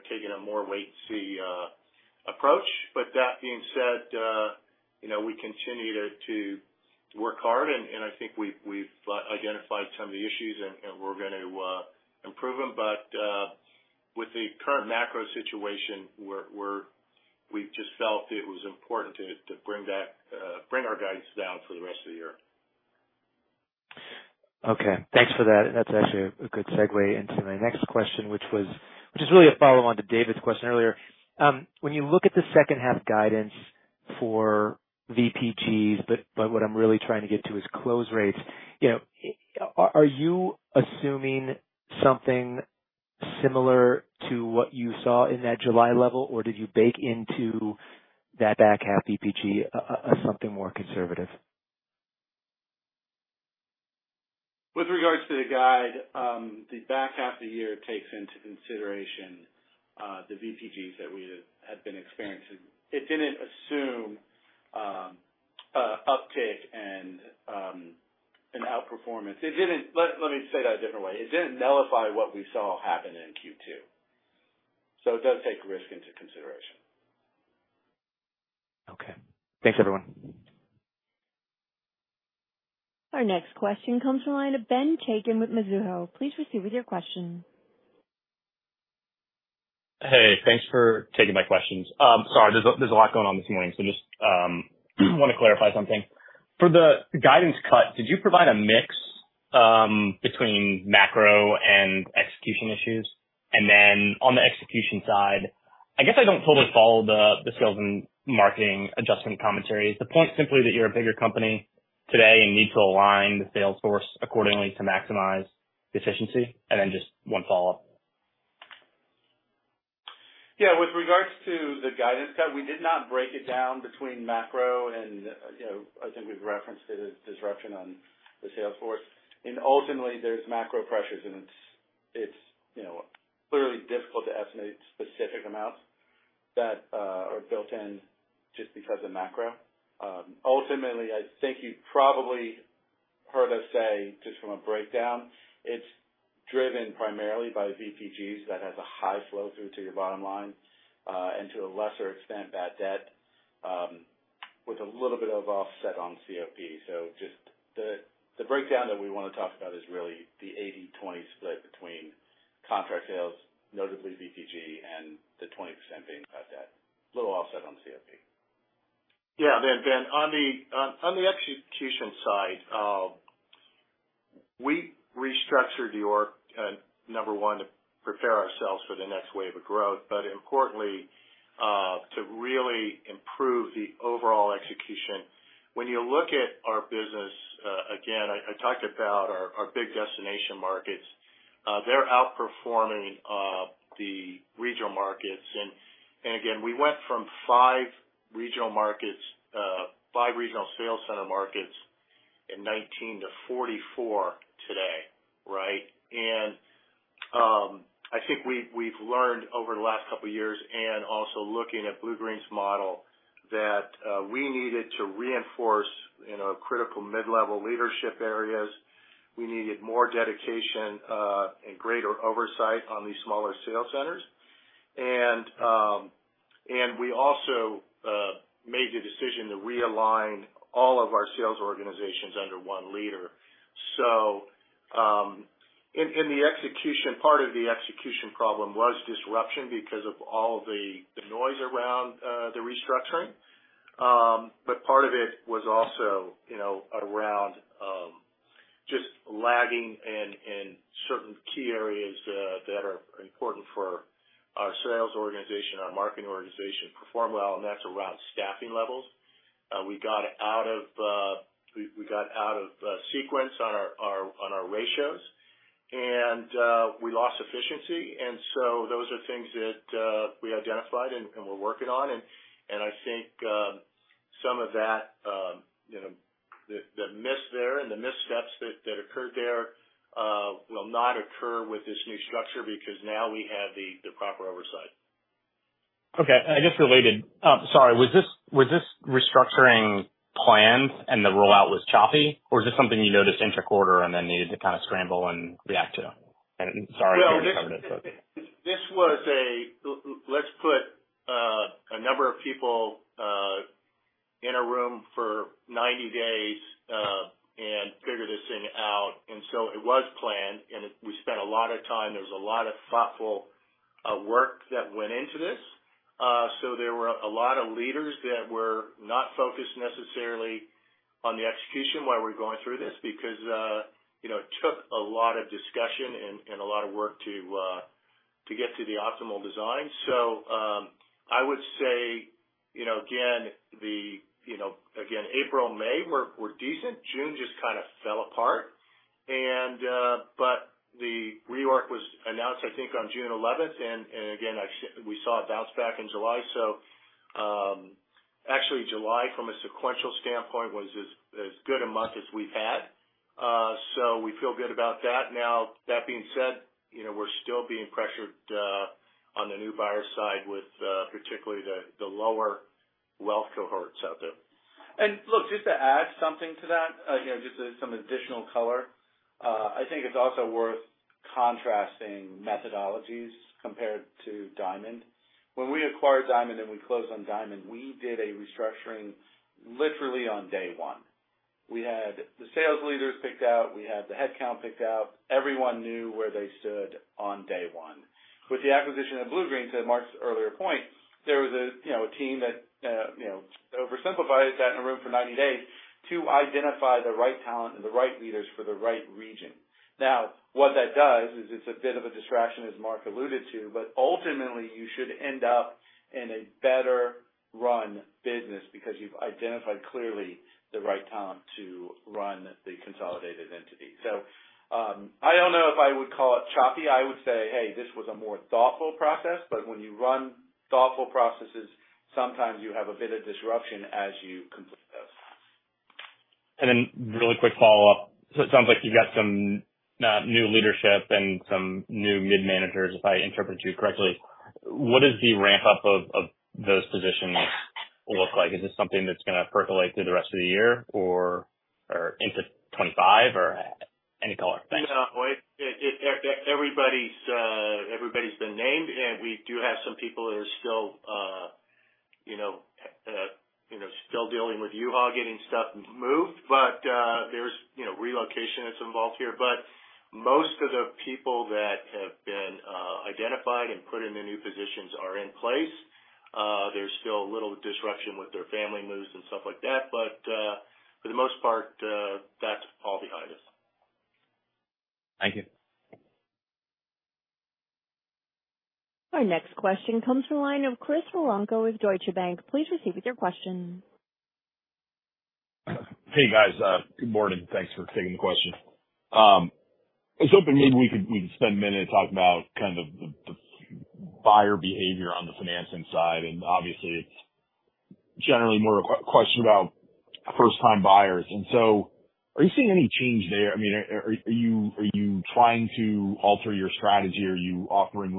taking a more wait-and-see approach. But that being said you know we continue to work hard, and I think we've identified some of the issues and we're gonna improve them. But, with the current macro situation, we've just felt it was important to bring our guidance down for the rest of the year. Okay, thanks for that. That's actually a good segue into my next question, which was, which is really a follow-on to David's question earlier. When you look at the second half guidance for VPGs, but, but what I'm really trying to get to is close rates. You know, are you assuming something similar to what you saw in that July level, or did you bake into that back half VPG, something more conservative? With regards to the guide, the back half of the year takes into consideration the VPGs that we have been experiencing. It didn't assume an uptick and an outperformance. It didn't. Let me say that a different way. It didn't nullify what we saw happen in Q2. So it does take risk into consideration. Okay. Thanks, everyone. Our next question comes from the line of Ben Chaiken with Mizuho. Please proceed with your question. Hey, thanks for taking my questions. Sorry, there's a lot going on this morning, so just want to clarify something. For the guidance cut, did you provide a mix between macro and execution issues? And then on the execution side, I guess I don't totally follow the sales and marketing adjustment commentaries. The point is simply that you're a bigger company today and need to align the sales force accordingly to maximize efficiency? And then just one follow-up. Yeah, with regards to the guidance cut, we did not break it down between macro and, you know, I think we've referenced it as disruption on the sales force. And ultimately, there's macro pressures, and it's, you know, clearly difficult to estimate specific amounts that are built in just because of macro. Ultimately, I think you've probably heard us say, just from a breakdown, it's driven primarily by the VPGs. That has a high flow through to your bottom line, and to a lesser extent, bad debt, with a little bit of offset on CFP. So just the breakdown that we want to talk about is really the 80-20 split between contract sales, notably VPG, and the 20% being bad debt. Little offset on CFP. Yeah, then, Ben, on the execution side, we restructured the org, number one, to prepare ourselves for the next wave of growth, but importantly, to really improve the overall execution. When you look at our business, again, I talked about our big destination markets. They're outperforming the regional markets. And again, we went from five regional markets, five regional sales center markets in 19-44 today, right? And I think we've learned over the last couple of years and also looking at Bluegreen's model, that we needed to reinforce, you know, critical mid-level leadership areas. We needed more dedication and greater oversight on these smaller sales centers. And we also made the decision to realign all of our sales organizations under one leader. So, in the execution, part of the execution problem was disruption because of all the noise around the restructuring. But part of it was also, you know, around just lagging in certain key areas that are important for our sales organization, our marketing organization, to perform well, and that's around staffing levels. We got out of sequence on our ratios, and we lost efficiency. And so those are things that we identified and we're working on. And I think some of that, you know, the miss there and the missteps that occurred there will not occur with this new structure because now we have the proper oversight. Okay, I guess related, sorry, was this, was this restructuring planned and the rollout was choppy, or is this something you noticed intraquarter and then needed to kind of scramble and react to? Sorry if you covered it. No, this was a let's put a number of people in a room for 90 days and figure this thing out. So it was planned, and we spent a lot of time. There was a lot of thoughtful work that went into this. So there were a lot of leaders that were not focused necessarily on the execution while we're going through this, because, you know, it took a lot of discussion and a lot of work to get to the optimal design. So I would say, you know, again, the, you know, again, April and May were decent. June just kind of fell apart. But the reorg was announced, I think, on June 11, and again, we saw it bounce back in July. So, actually July, from a sequential standpoint, was as good a month as we've had. So we feel good about that. Now, that being said, you know, we're still being pressured on the new buyer side with particularly the lower wealth cohorts out there. And look, just to add something to that, you know, just to some additional color. I think it's also worth contrasting methodologies compared to Diamond. When we acquired Diamond and we closed on Diamond, we did a restructuring literally on day one. We had the sales leaders picked out. We had the headcount picked out. Everyone knew where they stood on day one. With the acquisition of Bluegreen, to Mark's earlier point, there was a, you know, a team that, you know, oversimplified that in a room for 90 days to identify the right talent and the right leaders for the right region. Now, what that does is it's a bit of a distraction, as Mark alluded to, but ultimately you should end up in a better run business because you've identified clearly the right talent to run the consolidated entity. I don't know if I would call it choppy. I would say, hey, this was a more thoughtful process, but when you run thoughtful processes, sometimes you have a bit of disruption as you complete those. And then really quick follow-up. So it sounds like you got some new leadership and some new mid-managers, if I interpreted you correctly. What does the ramp-up of those positions look like? Is this something that's gonna percolate through the rest of the year or into 2025? Or any color? Thanks. Yeah, everybody's been named, and we do have some people that are still, you know, still dealing with U-Haul, getting stuff moved, but there's, you know, relocation that's involved here. But most of the people that have been identified and put in their new positions are in place. There's still a little disruption with their family moves and stuff like that, but for the most part, that's all behind us. Thank you. Our next question comes from the line of Chris Woronka with Deutsche Bank. Please proceed with your question. Hey, guys. Good morning. Thanks for taking the question. I was hoping maybe we could spend a minute talking about kind of the buyer behavior on the financing side, and obviously, it's generally more a question about first-time buyers. So are you seeing any change there? I mean, are you trying to alter your strategy? Are you offering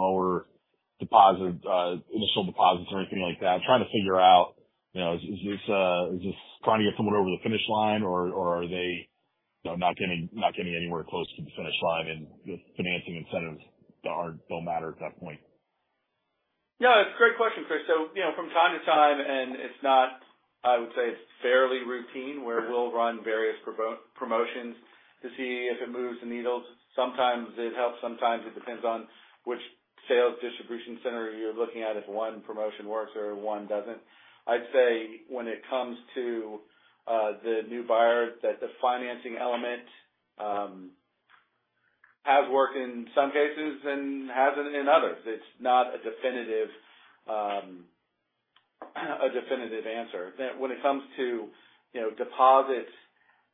lower deposit initial deposits or anything like that? I'm trying to figure out, you know, is this trying to get someone over the finish line or are they, you know, not getting anywhere close to the finish line and the financing incentives don't matter at that point? No, it's a great question, Chris. So, you know, from time to time, and it's not. I would say it's fairly routine, where we'll run various promotions to see if it moves the needle. Sometimes it helps, sometimes it depends on which sales distribution center you're looking at, if one promotion works or one doesn't. I'd say when it comes to the new buyers, that the financing element has worked in some cases and hasn't in others. It's not a definitive, a definitive answer. That when it comes to, you know, deposits,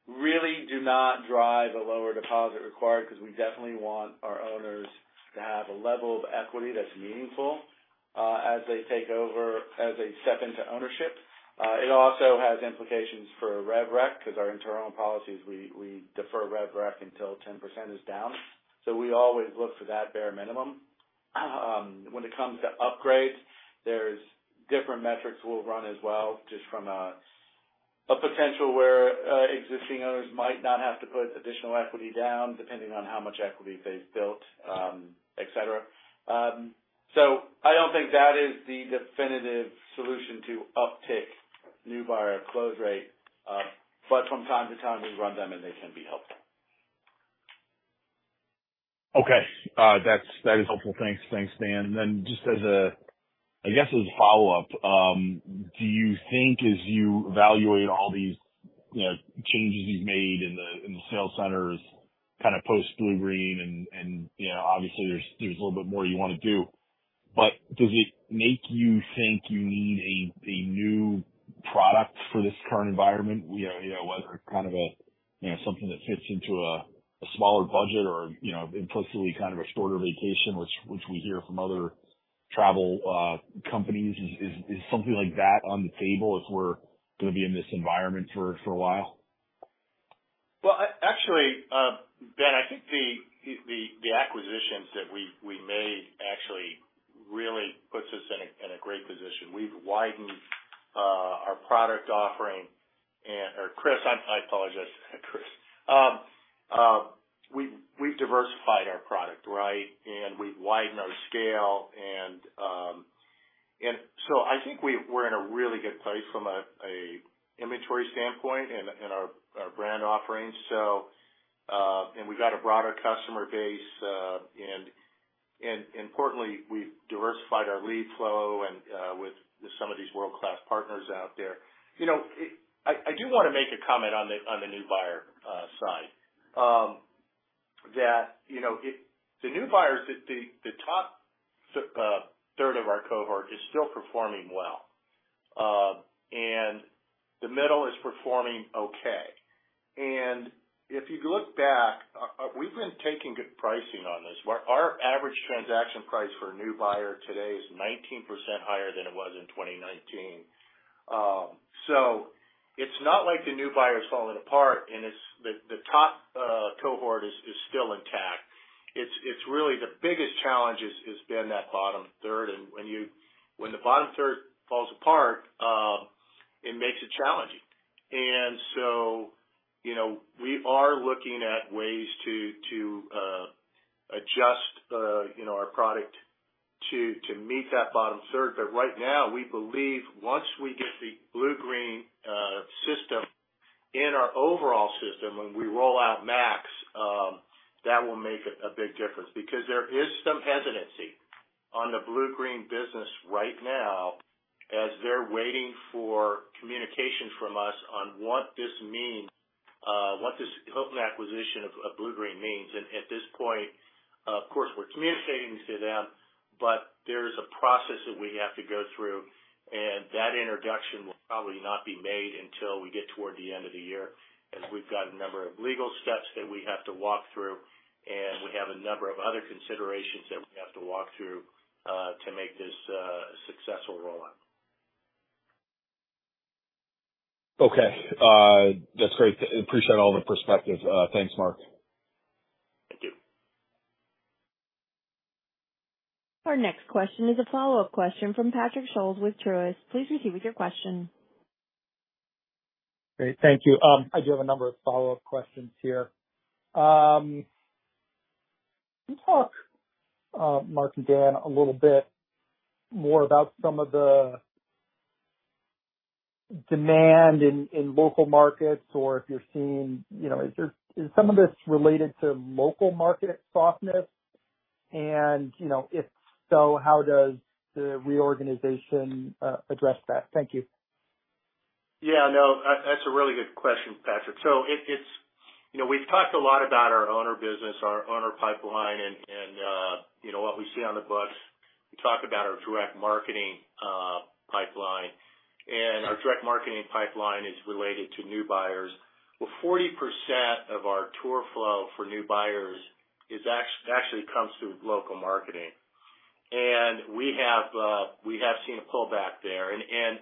really do not drive a lower deposit required, because we definitely want our owners to have a level of equity that's meaningful, as they take over, as they step into ownership. It also has implications for rev rec, because our internal policies, we defer rev rec until 10% is down. We always look for that bare minimum. When it comes to upgrades, there's different metrics we'll run as well, just from a potential where existing owners might not have to put additional equity down, depending on how much equity they've built, et cetera. I don't think that is the definitive solution to uptick new buyer close rate, but from time to time, we run them, and they can be helpful. Okay, that is helpful. Thanks. Thanks, Dan. Then just as a, I guess, as a follow-up, do you think as you evaluate all these, you know, changes you've made in the sales centers, kind of post Bluegreen and, you know, obviously, there's a little bit more you want to do, but does it make you think you need a new product for this current environment? You know, whether it's kind of a, you know, something that fits into a smaller budget or, you know, implicitly kind of a shorter vacation, which we hear from other travel companies. Is something like that on the table as we're gonna be in this environment for a while? Well, actually, Ben, I think the acquisitions that we made actually really puts us in a great position. We've widened our product offering and or Chris, I apologize, Chris. We've diversified our product, right? And we've widened our scale, and so I think we're in a really good place from a inventory standpoint and our brand offerings. So, and we've got a broader customer base, and importantly, we've diversified our lead flow and with some of these world-class partners out there. You know, I do want to make a comment on the new buyer side. You know, the new buyers, the top third of our cohort is still performing well, and the middle is performing okay. If you look back, we've been taking good pricing on this. Our average transaction price for a new buyer today is 19% higher than it was in 2019. So it's not like the new buyer is falling apart and it's the top cohort is still intact. It's really the biggest challenge has been that bottom third, and when the bottom third falls apart, it makes it challenging. And so, you know, we are looking at ways to adjust, you know, our product to meet that bottom third. Right now, we believe once we get the Bluegreen system in our overall system, when we roll out Max, that will make a big difference because there is some hesitancy on the Bluegreen business right now, as they're waiting for communication from us on what this means, what this Hilton acquisition of Bluegreen means. At this point, of course, we're communicating to them, but there's a process that we have to go through, and that introduction will probably not be made until we get toward the end of the year, as we've got a number of legal steps that we have to walk through, and we have a number of other considerations that we have to walk through, to make this a successful rollout. Okay, that's great. Appreciate all the perspective. Thanks, Mark. Thank you. Our next question is a follow-up question from Patrick Scholes with Truist. Please proceed with your question.... Great. Thank you. I do have a number of follow-up questions here. Can you talk, Mark and Dan, a little bit more about some of the demand in local markets, or if you're seeing, you know, is some of this related to local market softness? And, you know, if so, how does the reorganization address that? Thank you. Yeah, no, that's a really good question, Patrick. So it, it's, you know, we've talked a lot about our owner business, our owner pipeline, and, and, you know, what we see on the books. We talk about our direct marketing pipeline, and our direct marketing pipeline is related to new buyers, where 40% of our tour flow for new buyers is actually comes through local marketing. And we have seen a pullback there. And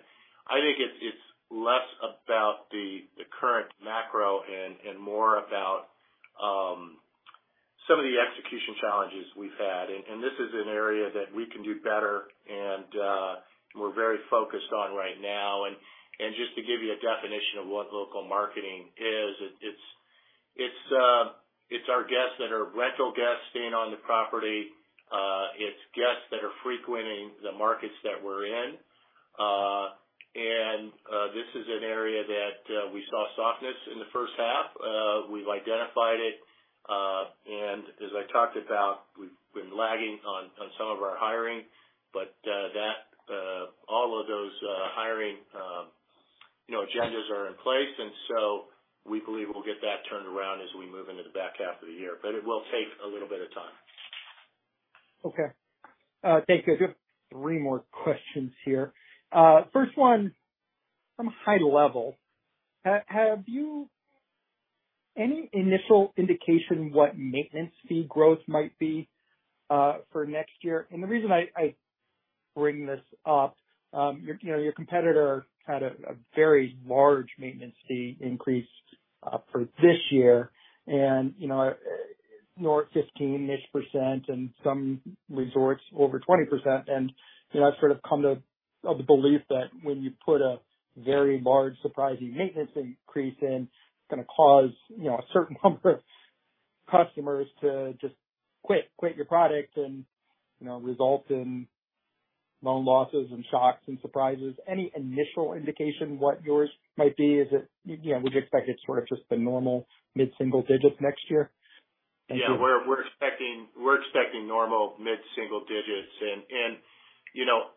I think it's less about the current macro and more about some of the execution challenges we've had. And this is an area that we can do better, and we're very focused on right now. Just to give you a definition of what local marketing is, it's our guests that are rental guests staying on the property. It's guests that are frequenting the markets that we're in. This is an area that we saw softness in the first half. We've identified it, and as I talked about, we've been lagging on some of our hiring, but that all of those hiring you know agendas are in place, and so we believe we'll get that turned around as we move into the back half of the year, but it will take a little bit of time. Okay. Thank you. I just have three more questions here. First one, from high level, have you any initial indication what maintenance fee growth might be for next year? And the reason I bring this up, your, you know, your competitor had a very large maintenance fee increase for this year and, you know, north 15-ish% and some resorts over 20%. And, you know, I've sort of come to the belief that when you put a very large surprising maintenance increase in, it's gonna cause, you know, a certain number of customers to just quit, quit your product and, you know, result in loan losses and shocks and surprises. Any initial indication what yours might be? Is it... You, you know, would you expect it sort of just the normal mid-single digits next year? Yeah, we're expecting normal mid-single digits. And you know,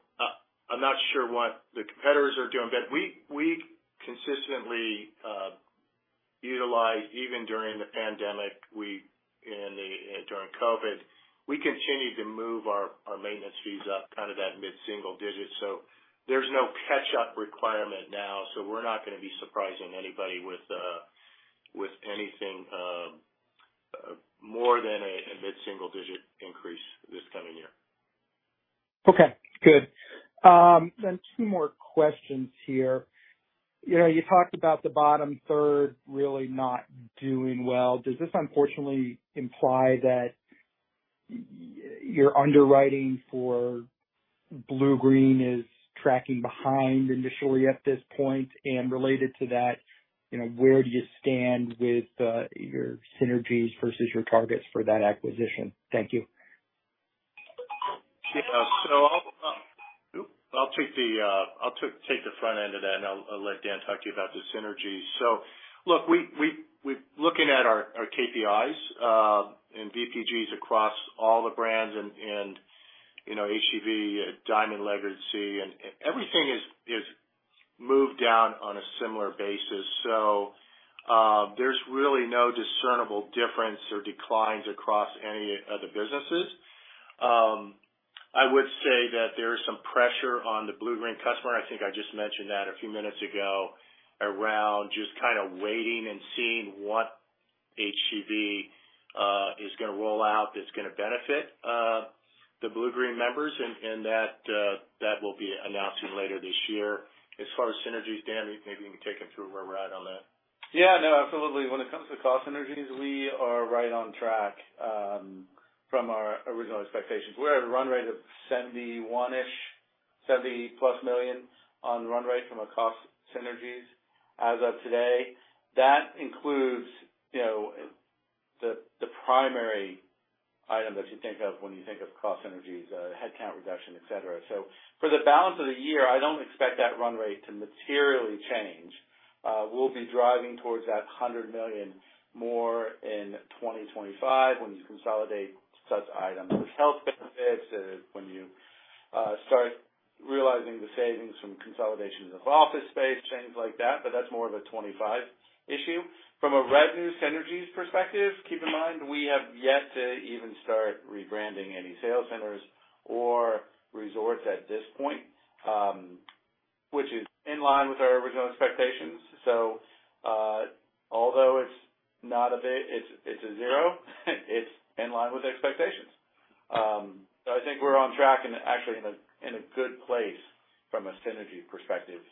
I'm not sure what the competitors are doing, but we consistently utilize even during the pandemic, during COVID, we continued to move our maintenance fees up, kind of that mid-single digits, so there's no catch-up requirement now. So we're not gonna be surprising anybody with anything more than a mid-single-digit increase this coming year. Okay, good. Then two more questions here. You know, you talked about the bottom third really not doing well. Does this unfortunately imply that your underwriting for Bluegreen is tracking behind initially at this point? And related to that, you know, where do you stand with your synergies versus your targets for that acquisition? Thank you. Yeah. So I'll take the front end of that, and I'll let Dan talk to you about the synergies. So look, we've been looking at our KPIs and VPGs across all the brands and, you know, HGV, Diamond Legacy, and everything has moved down on a similar basis. So, there's really no discernible difference or declines across any of the businesses. I would say that there is some pressure on the Bluegreen customer. I think I just mentioned that a few minutes ago, around just kind of waiting and seeing what HGV is gonna roll out, that's gonna benefit the Bluegreen members, and that will be announcing later this year. As far as synergies, Dan, maybe you can take it through where we're at on that. Yeah, no, absolutely. When it comes to cost synergies, we are right on track from our original expectations. We're at a run rate of $71 million-ish, $70+ million on run rate from a cost synergies as of today. That includes, you know, the primary item that you think of when you think of cost synergies, headcount reduction, et cetera. So for the balance of the year, I don't expect that run rate to materially change. We'll be driving towards that $100 million more in 2025, when you consolidate such items as health benefits, when you start realizing the savings from consolidation of office space, things like that, but that's more of a 2025 issue. From a revenue synergies perspective, keep in mind, we have yet to even start rebranding any sales centers or resorts at this point, which is in line with our original expectations. So, although it's not a big, it's a zero, it's in line with expectations. So I think we're on track and actually in a good place from a synergy perspective,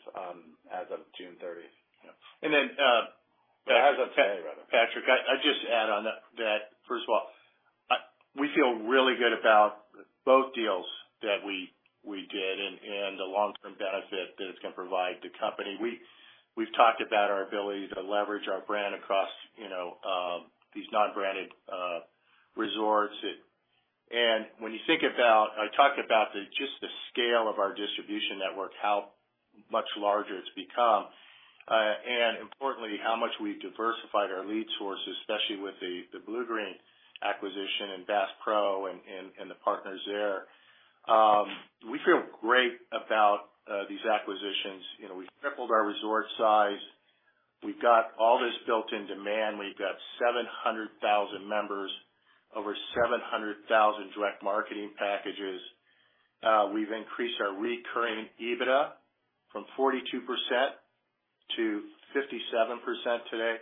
as of June thirtieth. Yeah. And then, but as for Patrick, I just add on that, first of all. We feel really good about both deals that we did and the long-term benefit that it's gonna provide the company. We've talked about our ability to leverage our brand across, you know, these non-branded resorts. And when you think about, I talked about just the scale of our distribution network, how much larger it's become, and importantly, how much we've diversified our lead sources, especially with the Bluegreen acquisition and Bass Pro and the partners there. We feel great about these acquisitions. You know, we've tripled our resort size. We've got all this built-in demand. We've got 700,000 members, over 700,000 direct marketing packages. We've increased our recurring EBITDA from 42%-57% today,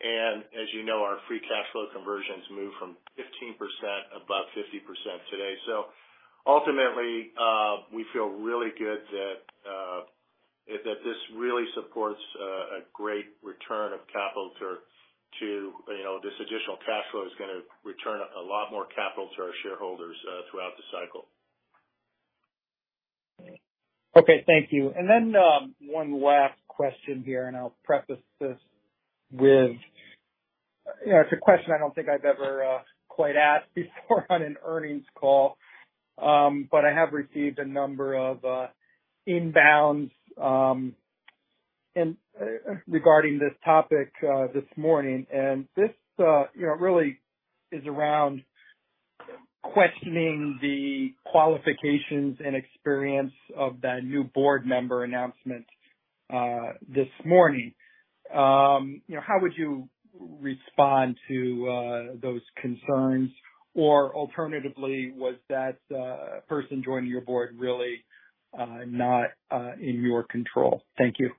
and as you know, our free cash flow conversions moved from 15%, above 50% today. So ultimately, we feel really good that this really supports a great return of capital to, you know, this additional cash flow is gonna return a lot more capital to our shareholders throughout the cycle. Okay, thank you. And then, one last question here, and I'll preface this with, you know, it's a question I don't think I've ever quite asked before on an earnings call. But I have received a number of inbounds and regarding this topic this morning, and this, you know, really is around questioning the qualifications and experience of that new board member announcement this morning. You know, how would you respond to those concerns? Or alternatively, was that person joining your board really not in your control? Thank you.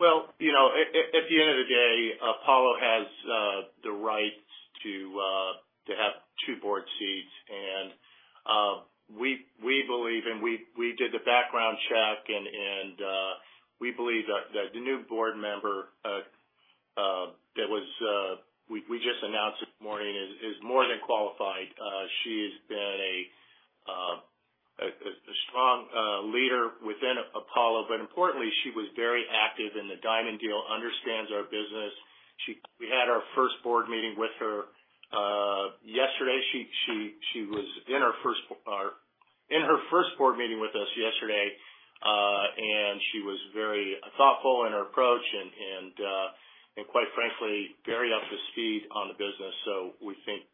Well, you know, at the end of the day, Apollo has the right to have two board seats, and we believe and we did the background check and we believe that the new board member that we just announced this morning is more than qualified. She has been a strong leader within Apollo, but importantly, she was very active in the Diamond deal, understands our business. We had our first board meeting with her yesterday. She was in her first board meeting with us yesterday, and she was very thoughtful in her approach and quite frankly, very up to speed on the business. So we think,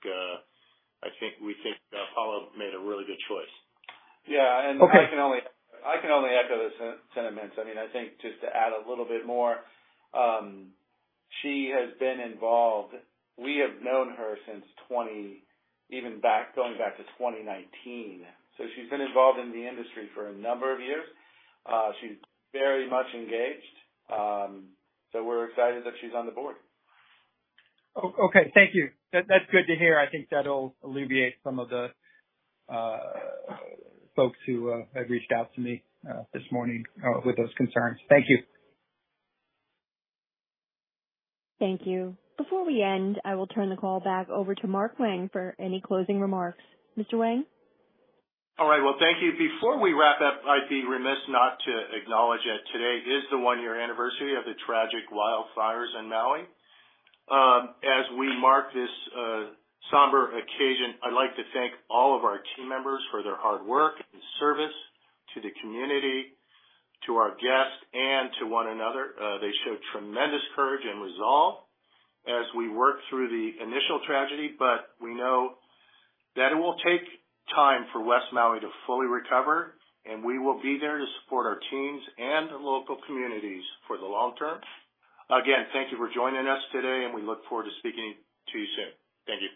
I think, we think Apollo made a really good choice. Yeah, and- Okay. I can only echo those sentiments. I mean, I think just to add a little bit more, she has been involved. We have known her since 2019, even back, going back to 2019. So she's been involved in the industry for a number of years. She's very much engaged, so we're excited that she's on the board. Okay. Thank you. That's good to hear. I think that'll alleviate some of the folks who have reached out to me this morning with those concerns. Thank you. Thank you. Before we end, I will turn the call back over to Mark Wang for any closing remarks. Mr. Wang? All right. Well, thank you. Before we wrap up, I'd be remiss not to acknowledge that today is the one-year anniversary of the tragic wildfires in Maui. As we mark this somber occasion, I'd like to thank all of our team members for their hard work and service to the community, to our guests and to one another. They showed tremendous courage and resolve as we worked through the initial tragedy, but we know that it will take time for West Maui to fully recover, and we will be there to support our teams and the local communities for the long term. Again, thank you for joining us today, and we look forward to speaking to you soon. Thank you.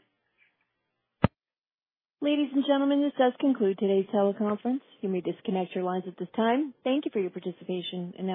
Ladies and gentlemen, this does conclude today's teleconference. You may disconnect your lines at this time. Thank you for your participation, and have a great day.